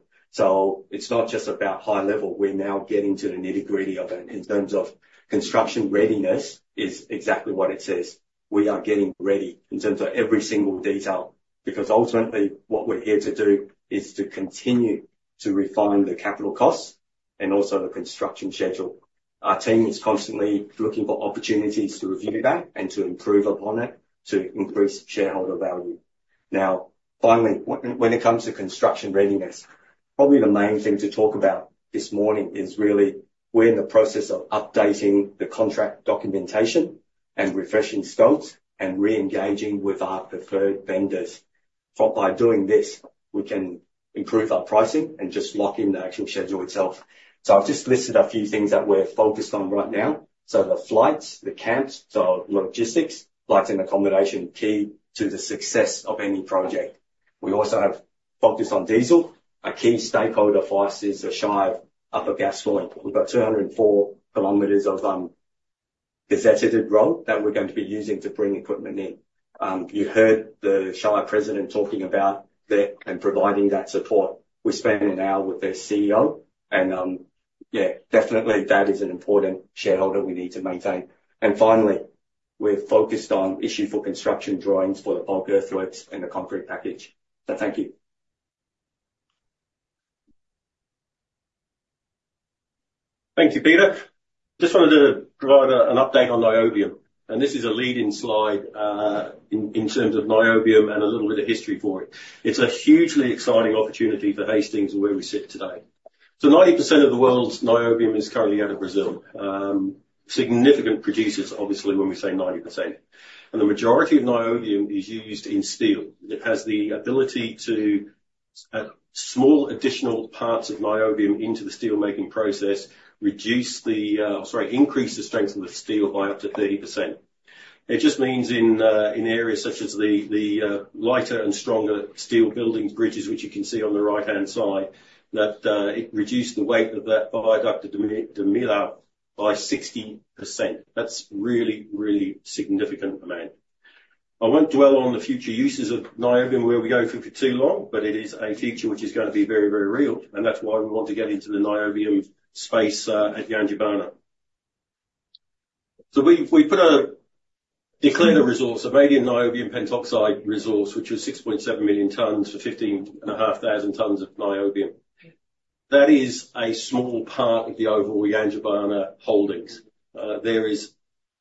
It's not just about high level. We're now getting to the nitty-gritty of it in terms of construction readiness, which is exactly what it says. We are getting ready in terms of every single detail because ultimately what we're here to do is to continue to refine the capital costs and also the construction schedule. Our team is constantly looking for opportunities to review that and to improve upon it to increase shareholder value. Now, finally, when it comes to construction readiness, probably the main thing to talk about this morning is really we're in the process of updating the contract documentation and refreshing scopes and re-engaging with our preferred vendors. By doing this, we can improve our pricing and just lock in the actual schedule itself. So I've just listed a few things that we're focused on right now. So the flights, the camps, the logistics, flights and accommodation are key to the success of any project. We also have focused on diesel. A key stakeholder for us is the Shire of Upper Gascoyne. We've got 204 KM of deserted road that we're going to be using to bring equipment in. You heard the Shire president talking about that and providing that support. We spent an hour with their CEO. And yeah, definitely that is an important shareholder we need to maintain. And finally, we're focused on issue for construction drawings for the bulk earthworks and the concrete package. So thank you. Thank you, Peter. Just wanted to provide an update on Niobium. And this is a leading slide in terms of Niobium and a little bit of history for it. It's a hugely exciting opportunity for Hastings where we sit today. So 90% of the world's Niobium is currently out of Brazil. Significant producers, obviously, when we say 90%. And the majority of Niobium is used in steel. It has the ability to add small additional parts of Niobium into the steelmaking process, reduce the, sorry, increase the strength of the steel by up to 30%. It just means in areas such as the lighter and stronger steel buildings, bridges, which you can see on the right-hand side, that it reduced the weight of that high-ductility member by 60%. That's a really, really significant amount. I won't dwell on the future uses of Niobium where we go for too long, but it is a future which is going to be very, very real. That's why we want to get into the Niobium space at the Yangibana. So we put a declared resource, a medium Niobium pentoxide resource, which was 6.7 million tons for 15,500 tons of Niobium. That is a small part of the overall Yangibana holdings. There is,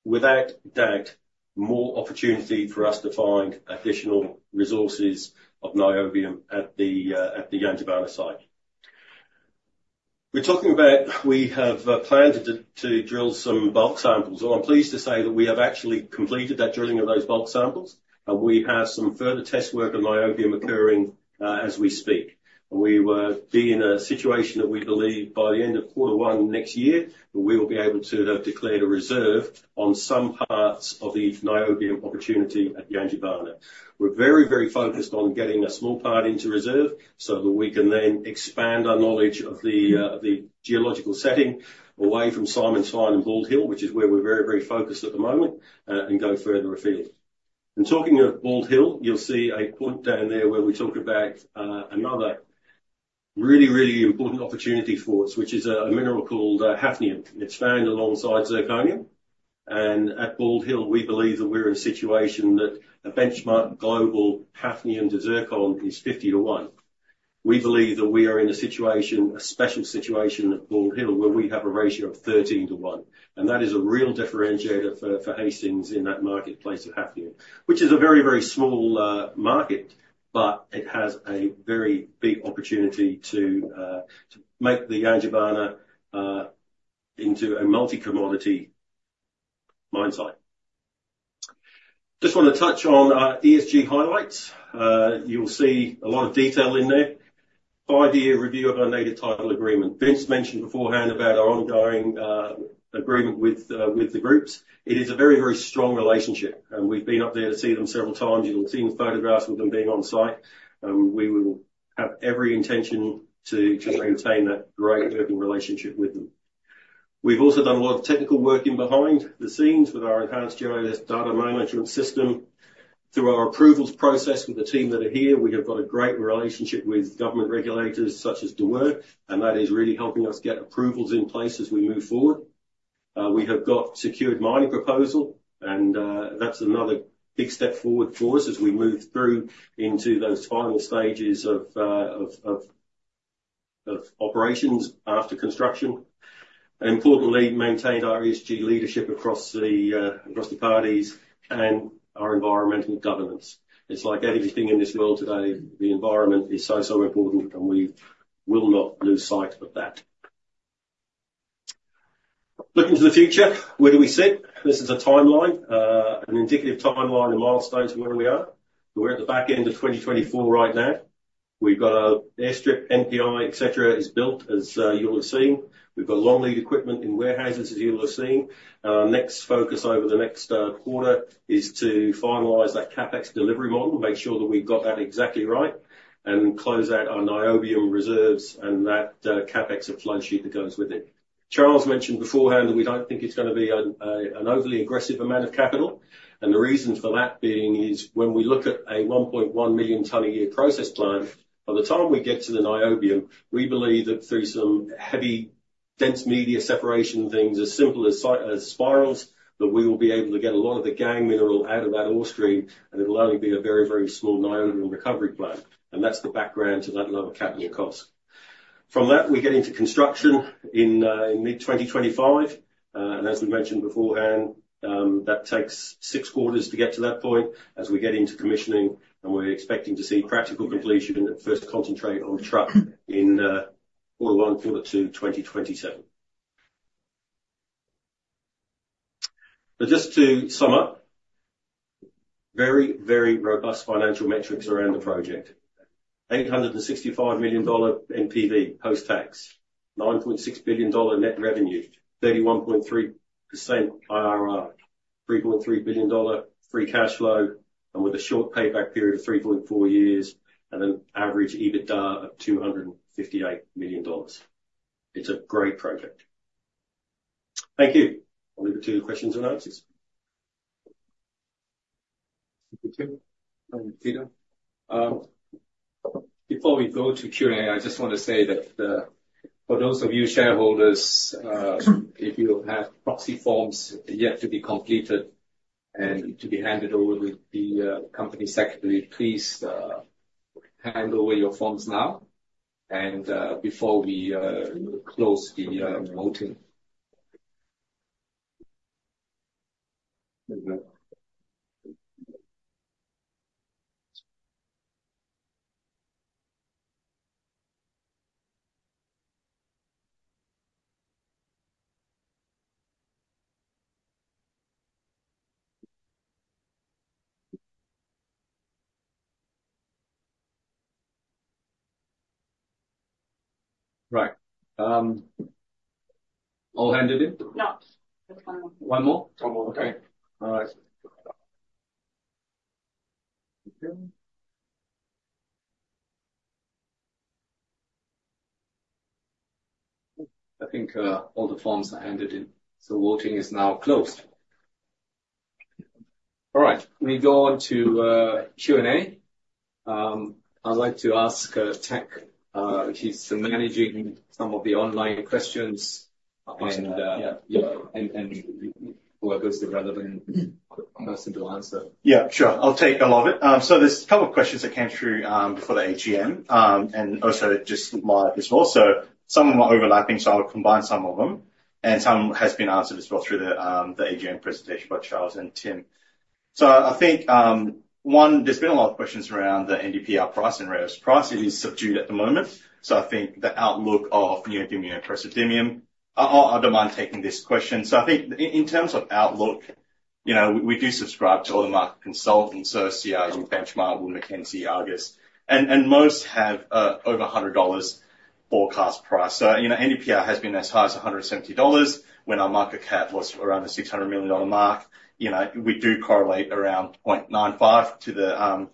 without doubt, more opportunity for us to find additional resources of Niobium at the Yangibana site. We're talking about we have planned to drill some bulk samples. I'm pleased to say that we have actually completed that drilling of those bulk samples. And we have some further test work of Niobium occurring as we speak. We will be in a situation that we believe by the end of quarter one next year, we will be able to have declared a reserve on some parts of the niobium opportunity at the Yangibana. We're very, very focused on getting a small part into reserve so that we can then expand our knowledge of the geological setting away from Simon's Find and Bald Hill, which is where we're very, very focused at the moment, and go further afield, and talking of Bald Hill, you'll see a point down there where we talk about another really, really important opportunity for us, which is a mineral called hafnium. It's found alongside zirconium, and at Bald Hill, we believe that we're in a situation that a benchmark global hafnium to zircon is 50 to 1. We believe that we are in a situation, a special situation at Bald Hill, where we have a ratio of 13 to 1, and that is a real differentiator for Hastings in that marketplace of Hafnium, which is a very, very small market, but it has a very big opportunity to make the Yangibana into a multi-commodity mine site. Just want to touch on ESG highlights. You'll see a lot of detail in there. Five-year review of our native title agreement. Vince mentioned beforehand about our ongoing agreement with the groups. It is a very, very strong relationship. And we've been up there to see them several times. You'll have seen photographs of them being on site. We will have every intention to maintain that great working relationship with them. We've also done a lot of technical work behind the scenes with our enhanced data management system. Through our approvals process with the team that are here, we have got a great relationship with government regulators such as DWER. That is really helping us get approvals in place as we move forward. We have got secured mining proposal. That is another big step forward for us as we move through into those final stages of operations after construction. Importantly, maintained our ESG leadership across the parties and our environmental governance. It is like everything in this world today; the environment is so, so important. We will not lose sight of that. Looking to the future, where do we sit? This is a timeline, an indicative timeline and milestones of where we are. We are at the back end of 2024 right now. We have got our airstrip, NPI, etc., built, as you will have seen. We have got long lead equipment in warehouses, as you will have seen. Next focus over the next quarter is to finalize that CapEx delivery model, make sure that we've got that exactly right, and close out our Niobium reserves and that CapEx flow sheet that goes with it. Charles mentioned beforehand that we don't think it's going to be an overly aggressive amount of capital. And the reason for that being is when we look at a 1.1 million ton-a-year processing plant, by the time we get to the Niobium, we believe that through some heavy dense media separation things as simple as spirals, that we will be able to get a lot of the gangue out of that ore stream. And it'll only be a very, very small Niobium recovery plant. And that's the background to that lower capital cost. From that, we get into construction in mid-2025. As we mentioned beforehand, that takes six quarters to get to that point as we get into commissioning. We're expecting to see practical completion and first concentrate on truck in quarter one, quarter two, 2027. But just to sum up, very, very robust financial metrics around the project. 865 million dollar NPV post-tax, 9.6 billion dollar net revenue, 31.3% IRR, 3.3 billion dollar free cash flow, and with a short payback period of 3.4 years and an average EBITDA of 258 million dollars. It's a great project. Thank you. I'll leave it to your questions and answers. Thank you. Before we go to Q&A, I just want to say that for those of you shareholders, if you have proxy forms yet to be completed and to be handed over to the company secretary, please hand over your forms now, and before we close the voting. Right. All handed in? No. One more. One more? Okay. All right. I think all the forms are handed in. So voting is now closed. All right. We go on to Q&A. I'd like to ask Teck. She's managing some of the online questions. And whoever's the relevant person to answer. Yeah, sure. I'll take a lot of it. So there's a couple of questions that came through before the AGM and also just live as well. So some of them are overlapping, so I'll combine some of them. And some have been answered as well through the AGM presentation by Charles and Tim. So I think, one, there's been a lot of questions around the NdPr price and rare earths price. It is subdued at the moment. So I think the outlook of neodymium versus dysprosium. I don't mind taking this question. So I think in terms of outlook, we do subscribe to all the market consultants: CRU, Benchmark, Wood Mackenzie, Argus. And most have over $100 forecast price. So NdPr has been as high as $170. When our market cap was around the $600 million mark, we do correlate around 0.95 to the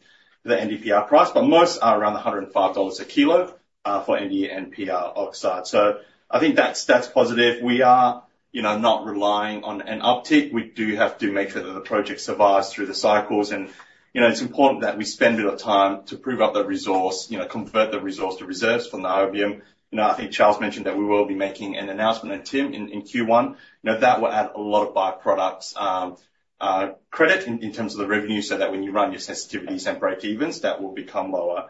NdPr price. Most are around $105 a kilo for NdPr oxide. I think that's positive. We are not relying on an uptick. We do have to make sure that the project survives through the cycles. It's important that we spend a bit of time to prove up the resource, convert the resource to reserves from the niobium. I think Charles mentioned that we will be making an announcement in Q1. That will add a lot of by-products credit in terms of the revenue so that when you run your sensitivities and breakevens, that will become lower.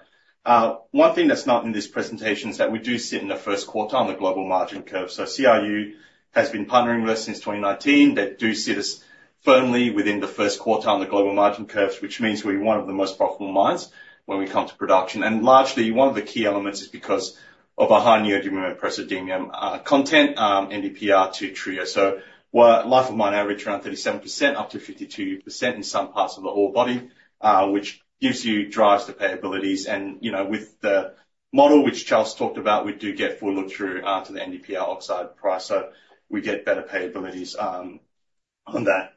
One thing that's not in this presentation is that we do sit in the first quartile on the global margin curve. CRU has been partnering with us since 2019. They do sit us firmly within the first quarter on the global margin curves, which means we're one of the most profitable mines when we come to production, and largely, one of the key elements is because of our high neodymium and praseodymium content, NdPr to TREO. Life of mine average around 37%-52% in some parts of the ore body, which drives profitability. With the model, which Charles talked about, we do get full look through to the NdPr oxide price, so we get better profitability on that.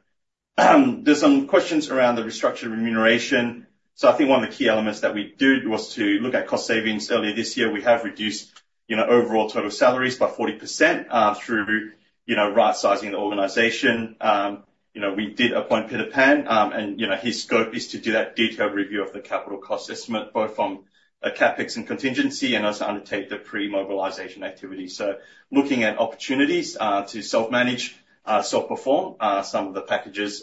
There are some questions around the restructured remuneration. One of the key elements that we did was to look at cost savings earlier this year. We have reduced overall total salaries by 40% through right-sizing the organization. We did appoint Peter Phan. His scope is to do that detailed review of the capital cost estimate, both from a CapEx and contingency and also undertake the pre-mobilization activity. So looking at opportunities to self-manage, self-perform some of the packages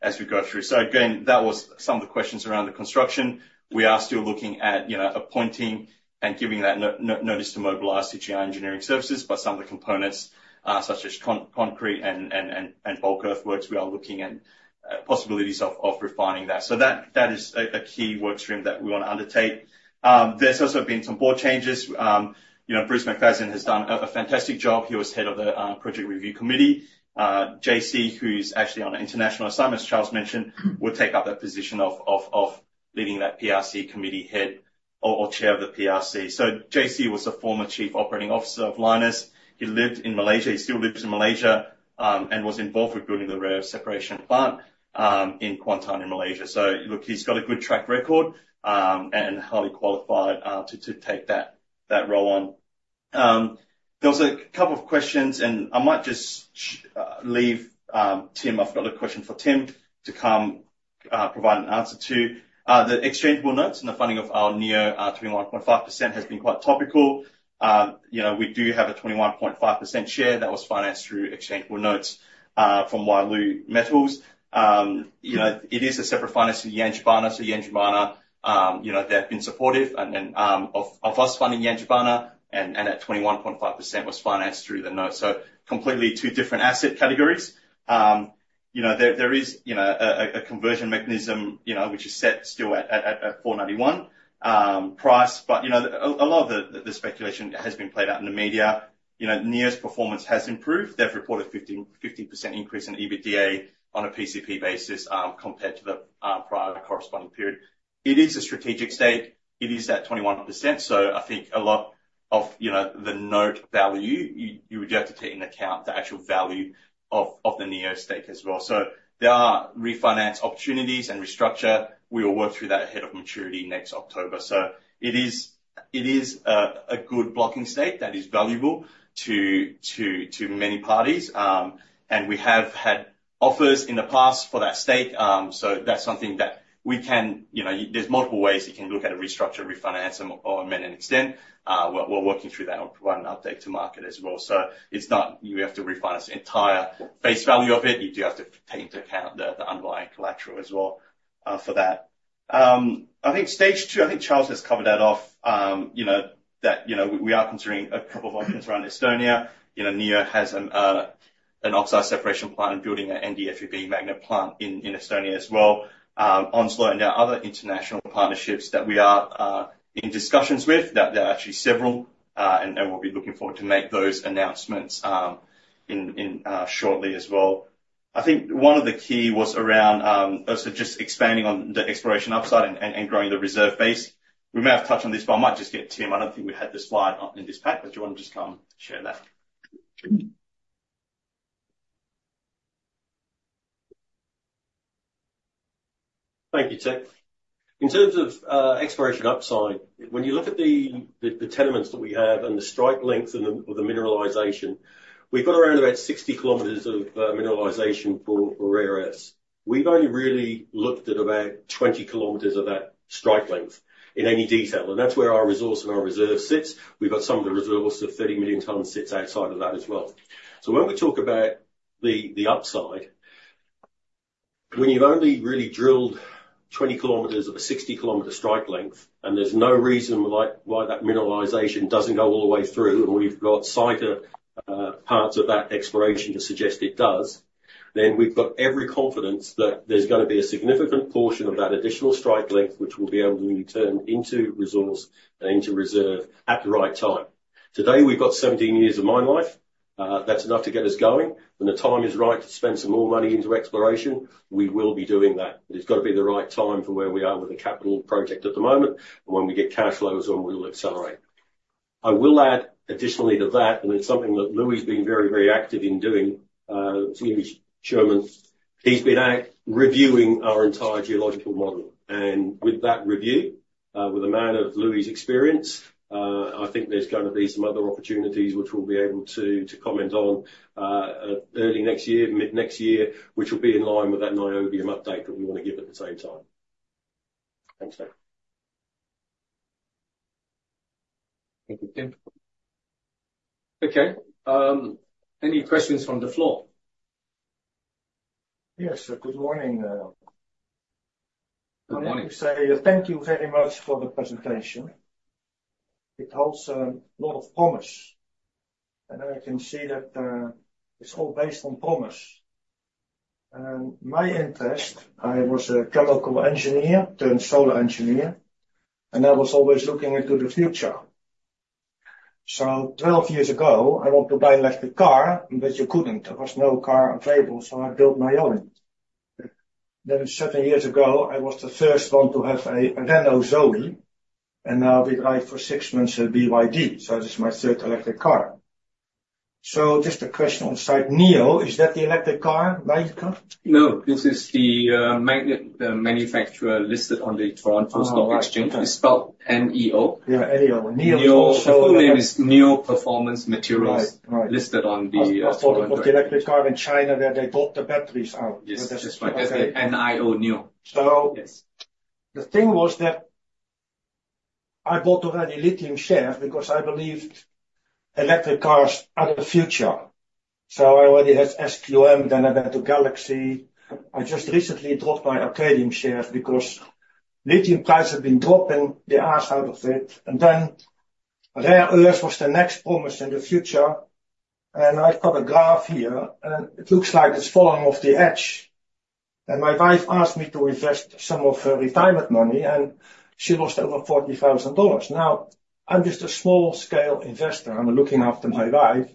as we go through. So again, that was some of the questions around the construction. We are still looking at appointing and giving that notice to mobilize to GR Engineering Services. But some of the components, such as concrete and bulk earthworks, we are looking at possibilities of refining that. So that is a key workstream that we want to undertake. There's also been some board changes. Bruce McFadzean has done a fantastic job. He was head of the project review committee. JC, who's actually on an international assignment, as Charles mentioned, will take up that position of leading that PRC committee head or chair of the PRC. JC was a former Chief Operating Officer of Lynas. He lived in Malaysia. He still lives in Malaysia and was involved with building the rare separation plant in Kuantan in Malaysia. Look, he's got a good track record and highly qualified to take that role on. There was a couple of questions. I might just let Tim come provide an answer to. The exchangeable notes and the funding of our Neo 21.5% has been quite topical. We do have a 21.5% share that was financed through exchangeable notes from Wyloo Metals. It is a separate finance for Yangibana. Yangibana, they've been supportive of us funding Yangibana. That 21.5% was financed through the note. Completely two different asset categories. There is a conversion mechanism, which is set still at $0.49 price. But a lot of the speculation has been played out in the media. Neo's performance has improved. They've reported a 15% increase in EBITDA on a PCP basis compared to the prior corresponding period. It is a strategic stake. It is that 21%. So I think a lot of the note value, you would have to take into account the actual value of the Neo stake as well. So there are refinance opportunities and restructure. We will work through that ahead of maturity next October. So it is a good blocking stake that is valuable to many parties. And we have had offers in the past for that stake. So that's something that we can. There's multiple ways you can look at a restructure, refinance, or amend and extend. We're working through that. We'll provide an update to market as well. So it's not you have to refine this entire face value of it. You do have to take into account the underlying collateral as well for that. I think Stage II. I think Charles has covered that off, that we are considering a couple of options around Estonia. Neo has an oxide separation plant and building an NdFeB magnet plant in Estonia as well. Onslow and there are other international partnerships that we are in discussions with. There are actually several. And we'll be looking forward to make those announcements shortly as well. I think one of the key was around also just expanding on the exploration upside and growing the reserve base. We may have touched on this, but I might just get Tim. I don't think we had this slide in this pack, but do you want to just come share that? Thank you, Teck. In terms of exploration upside, when you look at the tenements that we have and the strike length of the mineralization, we've got around about 60 km of mineralization for rare earths. We've only really looked at about 20 km of that strike length in any detail. And that's where our resource and our reserve sits. We've got some of the resource of 30 million tons sits outside of that as well. So when we talk about the upside, when you've only really drilled 20 km of a 60 km strike length, and there's no reason why that mineralization doesn't go all the way through, and we've got scattered parts of that exploration to suggest it does, then we've got every confidence that there's going to be a significant portion of that additional strike length, which we'll be able to return into resource and into reserve at the right time. Today, we've got 17 years of mine life. That's enough to get us going. When the time is right to spend some more money into exploration, we will be doing that. But it's got to be the right time for where we are with the capital project at the moment. And when we get cash flows on, we'll accelerate. I will add additionally to that, and it's something that Louis has been very, very active in doing, he's German. He's been reviewing our entire geological model. And with that review, with a man of Louis's experience, I think there's going to be some other opportunities which we'll be able to comment on early next year, mid next year, which will be in line with that Niobium update that we want to give at the same time. Okay. Any questions from the floor? Yes sir, good morning. Good morning. I would say thank you very much for the presentation. It holds a lot of promise, and I can see that it's all based on promise. My interest, I was a chemical engineer, turned solar engineer, and I was always looking into the future, so 12 years ago, I wanted to buy an electric car, but you couldn't. There was no car available, so I built my own. Then seven years ago, I was the first one to have a Renault Zoe, and now we drive for six months a BYD. This is my third electric car, so just a question on the side, Neo, is that the electric car? No, this is the manufacturer listed on the Toronto Stock Exchange. It's spelled Neo. Yeah, Neo. Neo is Neo Performance Materials listed on the. Of the electric car in China where they bought the batteries from. Yes, that's right. That's Neo, Neo. So the thing was that I bought already lithium shares because I believed electric cars are the future. So I already had SQM, then I went to Galaxy. I just recently dropped my Arcadium shares because lithium prices have been dropping. They asked out of it. And then rare earth was the next promise in the future. And I've got a graph here, and it looks like it's falling off the edge. And my wife asked me to invest some of her retirement money, and she lost over 40,000 dollars. Now, I'm just a small-scale investor. I'm looking after my wife,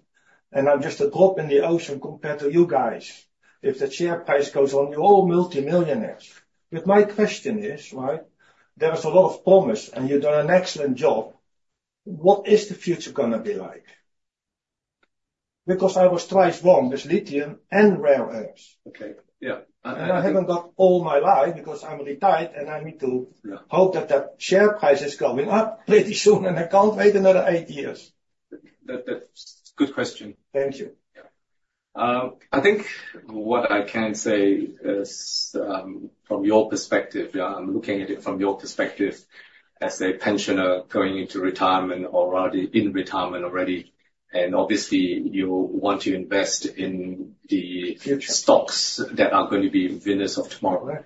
and I'm just a drop in the ocean compared to you guys. If the share price goes on, you're all multimillionaires. But my question is, right, there is a lot of promise, and you've done an excellent job. What is the future going to be like? Because I was twice wrong. There's lithium and rare earths. Okay. Yeah. I haven't got all my life because I'm retired, and I need to hope that that share price is going up pretty soon, and I can't wait another eight years. That's a good question. Thank you. I think what I can say is from your perspective, I'm looking at it from your perspective as a pensioner going into retirement already or in retirement already. And obviously, you want to invest in the stocks that are going to be winners of tomorrow.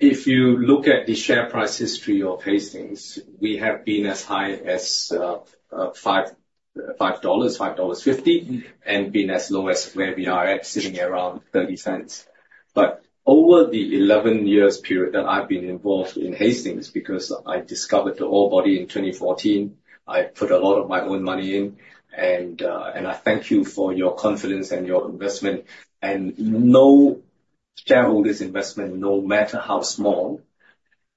If you look at the share price history of Hastings, we have been as high as 5 dollars, 5.50 dollars, and been as low as where we are at, sitting around 0.30. But over the 11 years period that I've been involved in Hastings because I discovered the ore body in 2014, I put a lot of my own money in. And I thank you for your confidence and your investment. And no shareholder's investment, no matter how small,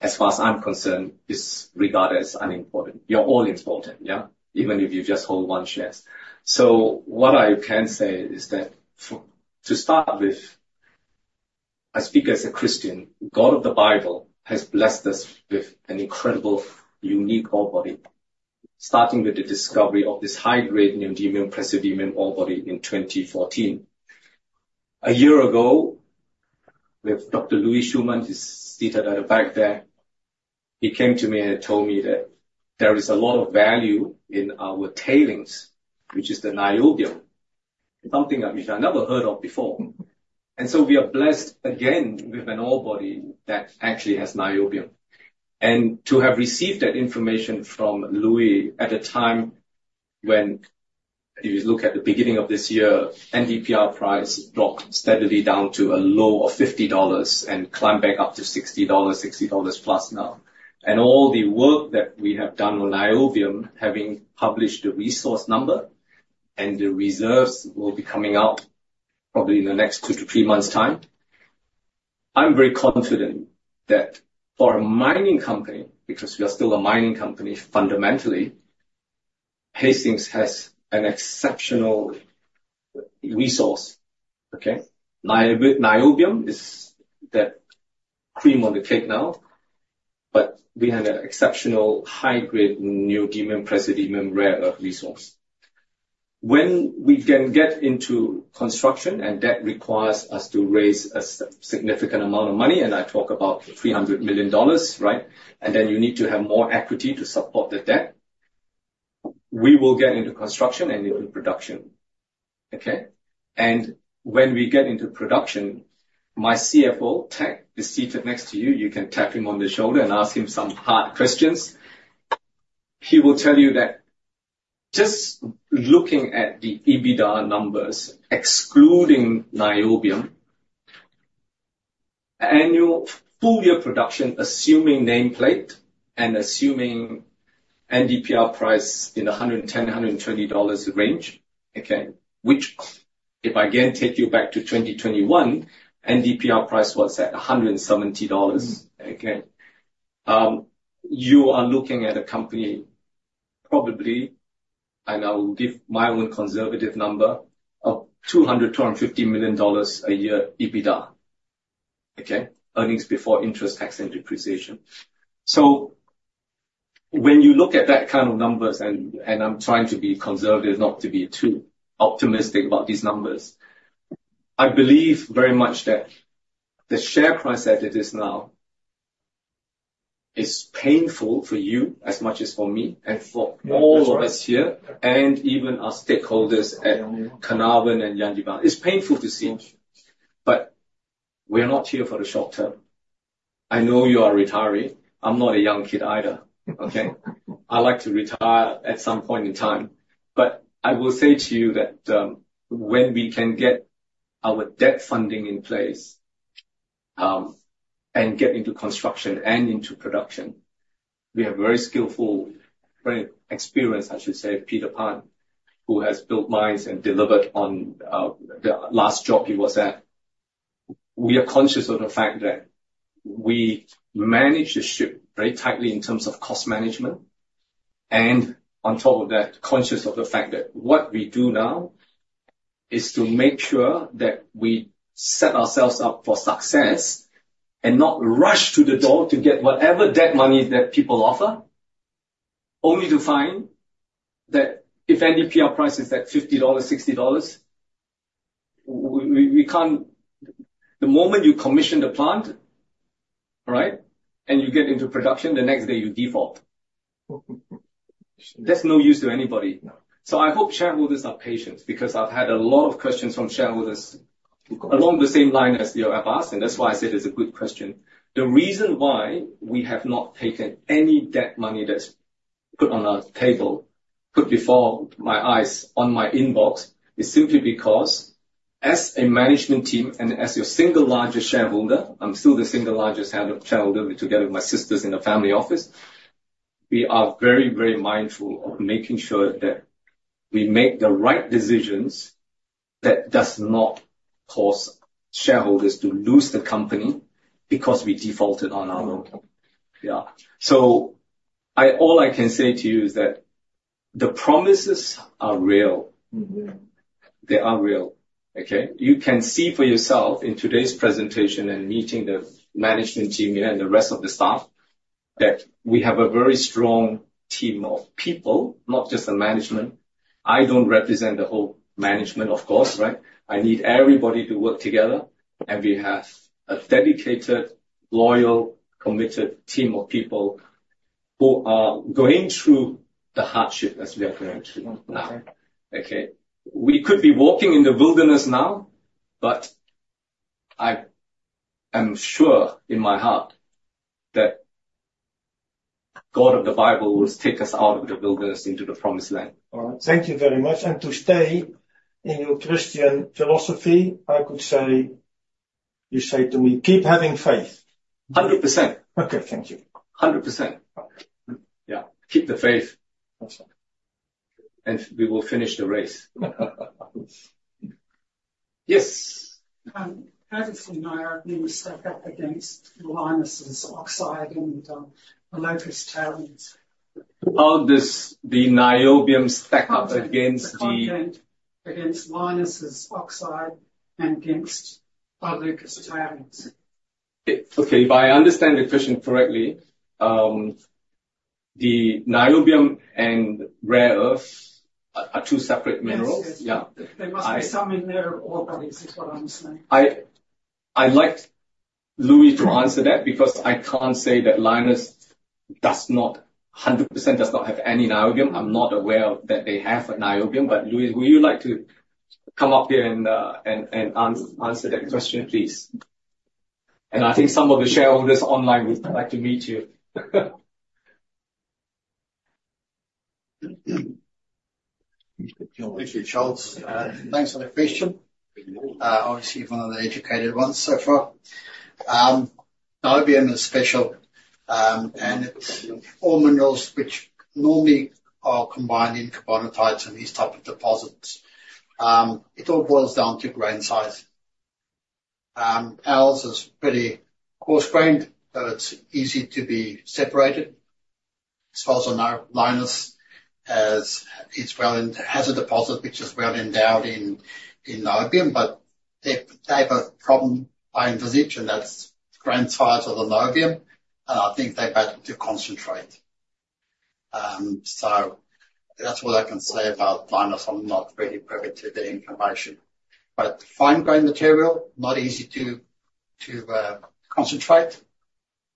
as far as I'm concerned, is regarded as unimportant. You're all important, yeah, even if you just hold one share. What I can say is that to start with, I speak as a Christian. God of the Bible has blessed us with an incredible, unique ore body, starting with the discovery of this high-grade neodymium praseodymium ore body in 2014. A year ago, with Dr. Louis Schürmann, he's seated at the back there. He came to me and told me that there is a lot of value in our tailings, which is the niobium, something that we've never heard of before. And so we are blessed again with an ore body that actually has niobium. And to have received that information from Louis at a time when, if you look at the beginning of this year, NdPr price dropped steadily down to a low of $50 and climbed back up to $60, $60+ now. And all the work that we have done on niobium, having published the resource number and the reserves will be coming out probably in the next two to three months' time. I'm very confident that for a mining company, because we are still a mining company fundamentally, Hastings has an exceptional resource. Okay? Niobium is that cream on the cake now, but we have an exceptional high-grade neodymium praseodymium rare earth resource. When we can get into construction, and that requires us to raise a significant amount of money, and I talk about 300 million dollars, right? And then you need to have more equity to support the debt. We will get into construction and into production. Okay? And when we get into production, my CFO, Teck, is seated next to you. You can tap him on the shoulder and ask him some hard questions. He will tell you that just looking at the EBITDA numbers, excluding niobium, annual full year production, assuming nameplate and assuming NdPr price in the $110-$120 range, okay, which if I again take you back to 2021, NdPr price was at $170. Okay? You are looking at a company probably, and I will give my own conservative number, of $200-$250 million a year EBITDA, okay, earnings before interest, tax, and depreciation. So when you look at that kind of numbers, and I'm trying to be conservative, not to be too optimistic about these numbers, I believe very much that the share price as it is now is painful for you as much as for me and for all of us here and even our stakeholders at Carnarvon and Yangibana. It's painful to see. But we're not here for the short term. I know you are retiring. I'm not a young kid either. Okay? I like to retire at some point in time. But I will say to you that when we can get our debt funding in place and get into construction and into production, we have very skillful, very experienced, I should say, Peter Phan, who has built mines and delivered on the last job he was at. We are conscious of the fact that we manage the ship very tightly in terms of cost management. And on top of that, conscious of the fact that what we do now is to make sure that we set ourselves up for success and not rush to the door to get whatever debt money that people offer, only to find that if NdPr price is at $50-$60, we can't, the moment you commission the plant, right, and you get into production, the next day you default. There's no use to anybody. So I hope shareholders are patient because I've had a lot of questions from shareholders along the same line as you have asked. And that's why I said it's a good question. The reason why we have not taken any debt money that's put on our table, put before my eyes on my inbox, is simply because as a management team and as your single largest shareholder, I'm still the single largest shareholder together with my sisters in the family office, we are very, very mindful of making sure that we make the right decisions that do not cause shareholders to lose the company because we defaulted on our own. Yeah. So all I can say to you is that the promises are real. They are real. Okay? You can see for yourself in today's presentation and meeting the management team here and the rest of the staff that we have a very strong team of people, not just the management. I don't represent the whole management, of course, right? I need everybody to work together, and we have a dedicated, loyal, committed team of people who are going through the hardship as we are going through now. Okay? We could be walking in the wilderness now, but I am sure in my heart that God of the Bible will take us out of the wilderness into the promised land. All right. Thank you very much, and to stay in your Christian philosophy, I could say you say to me, "Keep having faith". 100%. Okay. Thank you. 100%. Yeah. Keep the faith, and we will finish the race. Yes. How does the Niobium stack up against Lynas oxide and Iluka's tailings? How does the niobium stack up against the? Against Lynas's oxide and against Iluka's tailings? Okay. If I understand the question correctly, the niobium and rare earth are two separate minerals. Yes. There must be some in their ore bodies, is what I'm saying. I'd like Louis to answer that because I can't say that Lynas does not 100% have any niobium. I'm not aware that they have a niobium. But Louis, would you like to come up here and answer that question, please? And I think some of the shareholders online would like to meet you. Thank you, Charles. Thanks for the question. Obviously, one of the educated ones so far. Niobium is special, and it's all minerals which normally are combined in carbonatites and these types of deposits. It all boils down to grain size. Ours is pretty coarse-grained, but it's easy to be separated. As far as I know, Lynas has a deposit which is well endowed in niobium, but they have a problem with it, and that's grain size of the niobium. And I think they're hard to concentrate. So that's what I can say about Lynas. I'm not really privy to the information. But fine-grain material, not easy to concentrate.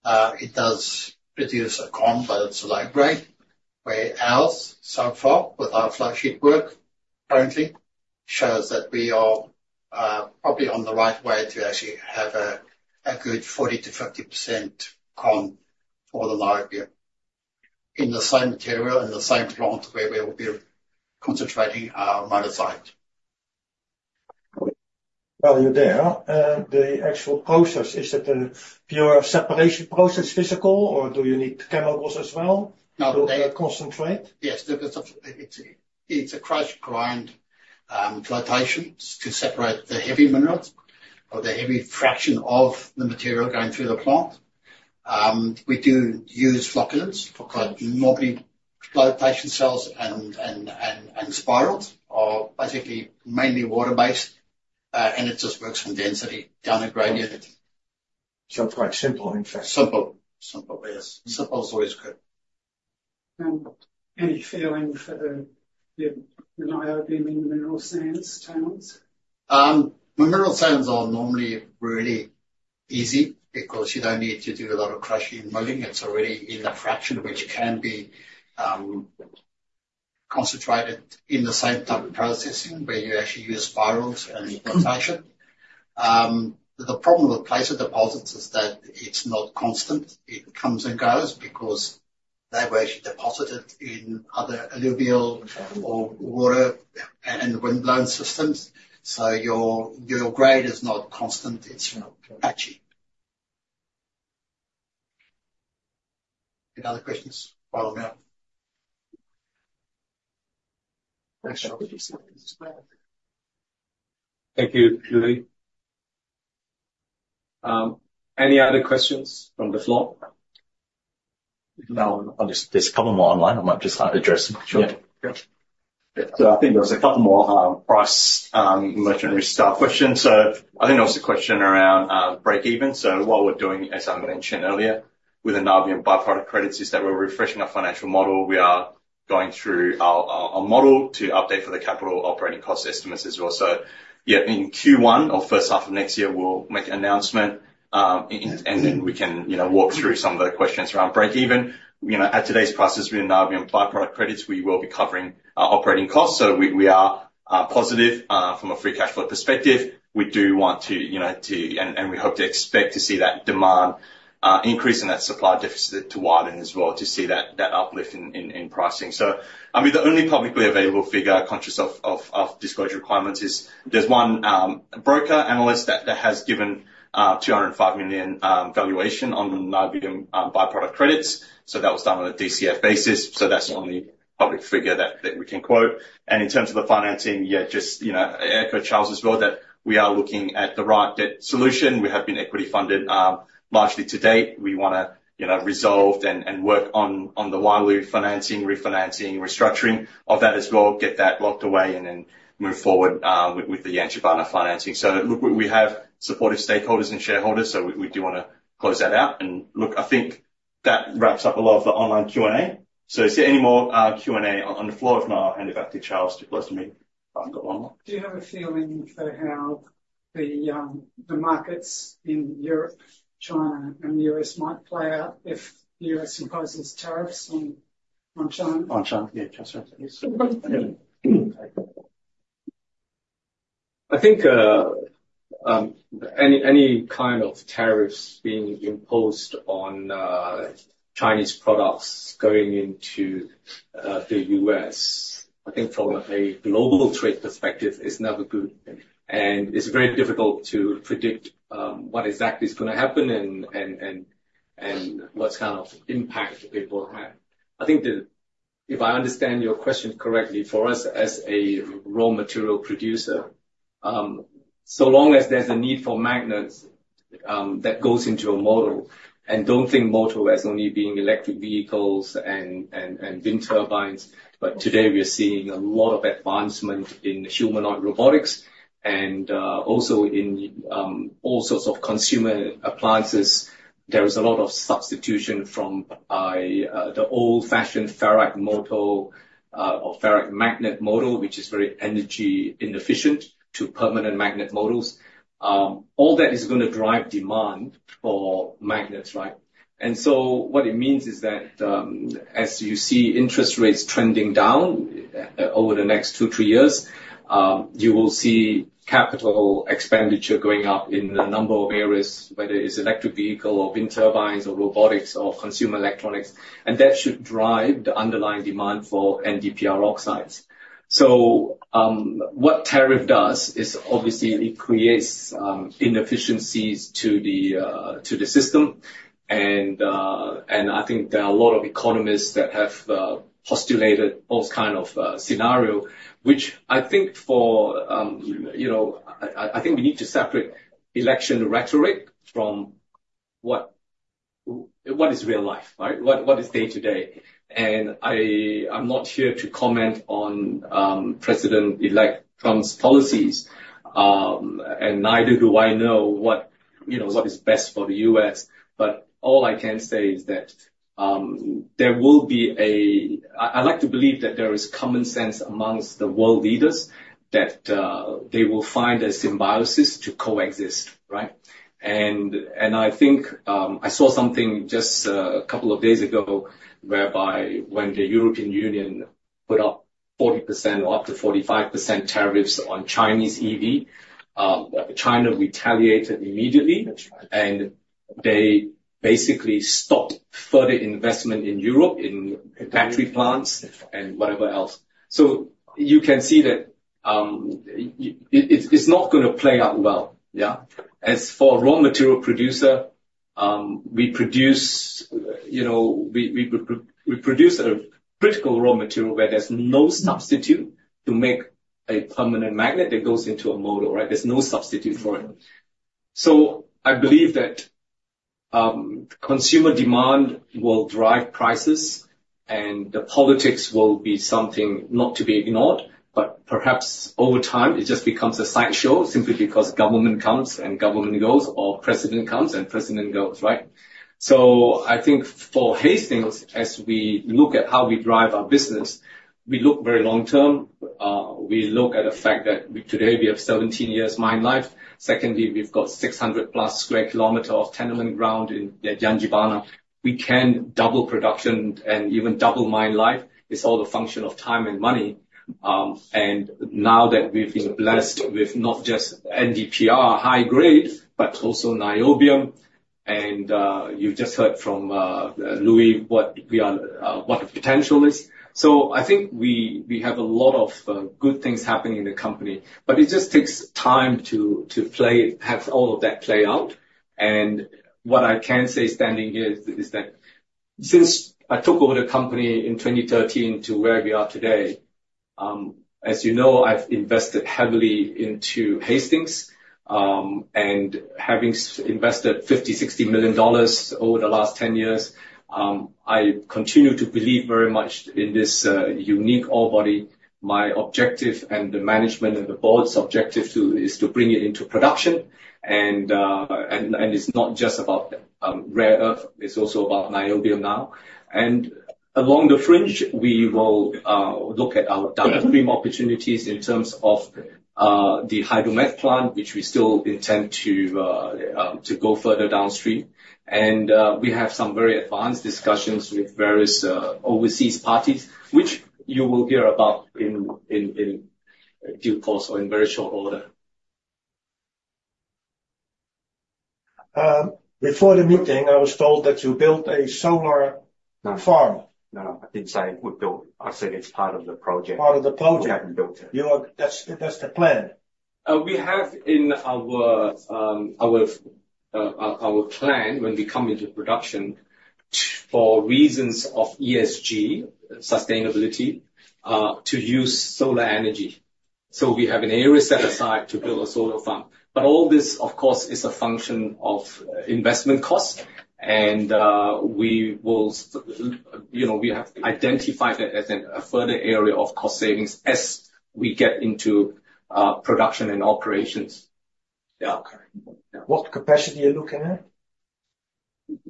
It does produce a con, but it's a low grade, where ours, so far, with our flowsheet work currently, shows that we are probably on the right way to actually have a good 40%-50% con for the niobium in the same material and the same plant where we will be concentrating our monazite. While you're there, the actual process, is it a pure separation process physical, or do you need chemicals as well to concentrate? Yes. It's a crushed grind flotation to separate the heavy minerals or the heavy fraction of the material going through the plant. We do use flocculants for quite muddy flotation cells and spirals are basically mainly water-based, and it just works from density down a gradient. Sounds quite simple, in fact. Simple. Simple, yes. Simple is always good. Any feeling for the niobium in the mineral sands, tailings? Mineral sands are normally really easy because you don't need to do a lot of crushing and milling. It's already in that fraction which can be concentrated in the same type of processing where you actually use spirals and flotation. The problem with placer deposits is that it's not constant. It comes and goes because they were actually deposited in other alluvial or water and windblown systems. So your grade is not constant. It's patchy. Any other questions while I'm here? Thank you, Louis. Thank you, Louis. Any other questions from the floor? No, there's a couple more online. I might just address them. Sure. So I think there was a couple more price movement style questions. So I think there was a question around breakeven. So what we're doing, as I mentioned earlier, with the niobium byproduct credits is that we're refreshing our financial model. We are going through our model to update for the capital operating cost estimates as well. So yeah, in Q1 or first half of next year, we'll make an announcement, and then we can walk through some of the questions around breakeven. At today's prices with niobium byproduct credits, we will be covering operating costs. So we are positive from a free cash flow perspective. We do want to, and we hope to expect to see that demand increase and that supply deficit to widen as well to see that uplift in pricing. So I mean, the only publicly available figure, conscious of disclosure requirements, is there's one broker analyst that has given 205 million valuation on niobium byproduct credits. So that was done on a DCF basis. So that's the only public figure that we can quote. And in terms of the financing, yeah, just echo Charles as well that we are looking at the right debt solution. We have been equity funded largely to date. We want to resolve and work on the Wyloo financing, refinancing, restructuring of that as well, get that locked away, and then move forward with the Yangibana financing. So look, we have supportive stakeholders and shareholders. So we do want to close that out. And look, I think that wraps up a lot of the online Q&A. So is there any more Q&A on the floor? If not, I'll hand it back to Charles to close the meeting. I've got one more. Do you have a feeling for how the markets in Europe, China, and the U.S. might play out if the U.S. imposes tariffs on China? On China, yeah. I think any kind of tariffs being imposed on Chinese products going into the U.S., I think from a global trade perspective, is never good, and it's very difficult to predict what exactly is going to happen and what kind of impact it will have. I think if I understand your question correctly, for us as a raw material producer, so long as there's a need for magnets that goes into a motor, and don't think motor as only being electric vehicles and wind turbines, but today we are seeing a lot of advancement in humanoid robotics and also in all sorts of consumer appliances. There is a lot of substitution from the old-fashioned ferrite motor or ferrite magnet motor, which is very energy inefficient, to permanent magnet motors. All that is going to drive demand for magnets, right? And so what it means is that as you see interest rates trending down over the next two, three years, you will see capital expenditure going up in a number of areas, whether it's electric vehicle or wind turbines or robotics or consumer electronics. And that should drive the underlying demand for NdPr oxides. So what tariff does is obviously it creates inefficiencies to the system. And I think there are a lot of economists that have postulated all kinds of scenarios, which I think we need to separate election rhetoric from what is real life, right? What is day-to-day? And I'm not here to comment on President-elect Trump's policies, and neither do I know what is best for the U.S. But all I can say is that I like to believe that there is common sense among the world leaders that they will find a symbiosis to coexist, right? And I think I saw something just a couple of days ago whereby when the European Union put up 40% or up to 45% tariffs on Chinese EV, China retaliated immediately, and they basically stopped further investment in Europe, in factory plants and whatever else. So you can see that it's not going to play out well. Yeah. As for raw material producer, we produce a critical raw material where there's no substitute to make a permanent magnet that goes into a motor, right? There's no substitute for it. So I believe that consumer demand will drive prices, and the politics will be something not to be ignored, but perhaps over time, it just becomes a sideshow simply because government comes and government goes or president comes and president goes, right? So I think for Hastings, as we look at how we drive our business, we look very long-term. We look at the fact that today we have 17 years mine life. Secondly, we've got 600-plus sq km of tenement ground in Yangibana. We can double production and even double mine life. It's all a function of time and money. And now that we've been blessed with not just NdPr high grade, but also niobium. And you just heard from Louis what the potential is. I think we have a lot of good things happening in the company, but it just takes time to have all of that play out. And what I can say standing here is that since I took over the company in 2013 to where we are today, as you know, I've invested heavily into Hastings. And having invested 50-60 million dollars over the last 10 years, I continue to believe very much in this unique orebody. My objective and the management and the board's objective is to bring it into production. And it's not just about rare earth. It's also about niobium now. And along the fringe, we will look at our downstream opportunities in terms of the Hydromet plant, which we still intend to go further downstream. We have some very advanced discussions with various overseas parties, which you will hear about in due course or in very short order. Before the meeting, I was told that you built a solar farm. No, I didn't say we built. I said it's part of the project. Part of the project. We haven't built it. That's the plan. We have in our plan, when we come into production, for reasons of ESG, sustainability, to use solar energy. So we have an area set aside to build a solar farm. But all this, of course, is a function of investment costs. And we have identified that as a further area of cost savings as we get into production and operations. Yeah. What capacity are you looking at?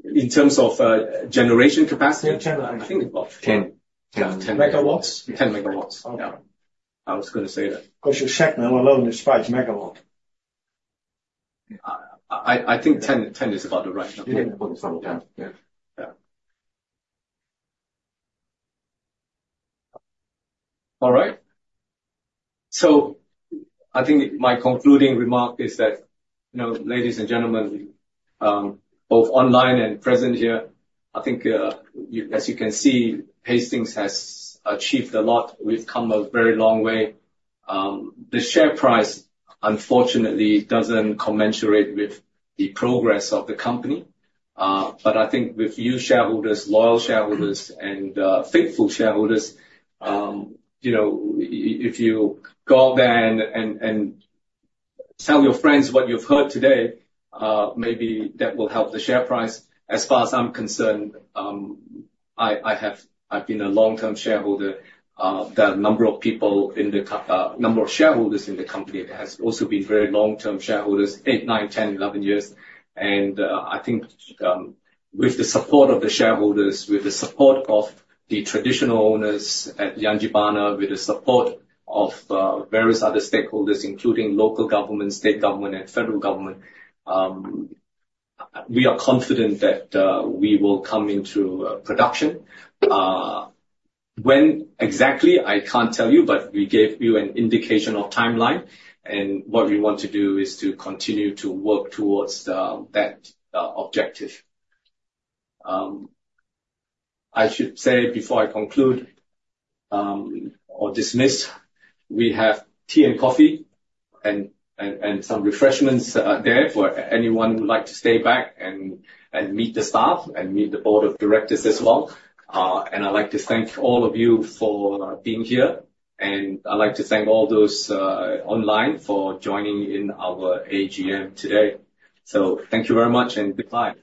In terms of generation capacity? Generation. I think about 10 MW. 10 MW. Okay. I was going to say that. Because you're shaking them alone is 5 MW. I think 10 MW is about the right number. Yeah. All right. So I think my concluding remark is that, ladies and gentlemen, both online and present here, I think, as you can see, Hastings has achieved a lot. We've come a very long way. The share price, unfortunately, doesn't commensurate with the progress of the company. But I think with you shareholders, loyal shareholders, and faithful shareholders, if you go out there and tell your friends what you've heard today, maybe that will help the share price. As far as I'm concerned, I've been a long-term shareholder. There are a number of people in the number of shareholders in the company that has also been very long-term shareholders, eight, nine, 10, 11 years. And I think with the support of the shareholders, with the support of the traditional owners at Yangibana, with the support of various other stakeholders, including local government, state government, and federal government, we are confident that we will come into production. When exactly, I can't tell you, but we gave you an indication of timeline. And what we want to do is to continue to work towards that objective. I should say before I conclude or dismiss, we have tea and coffee and some refreshments there for anyone who would like to stay back and meet the staff and meet the board of directors as well. And I'd like to thank all of you for being here. And I'd like to thank all those online for joining in our AGM today. So thank you very much and goodbye.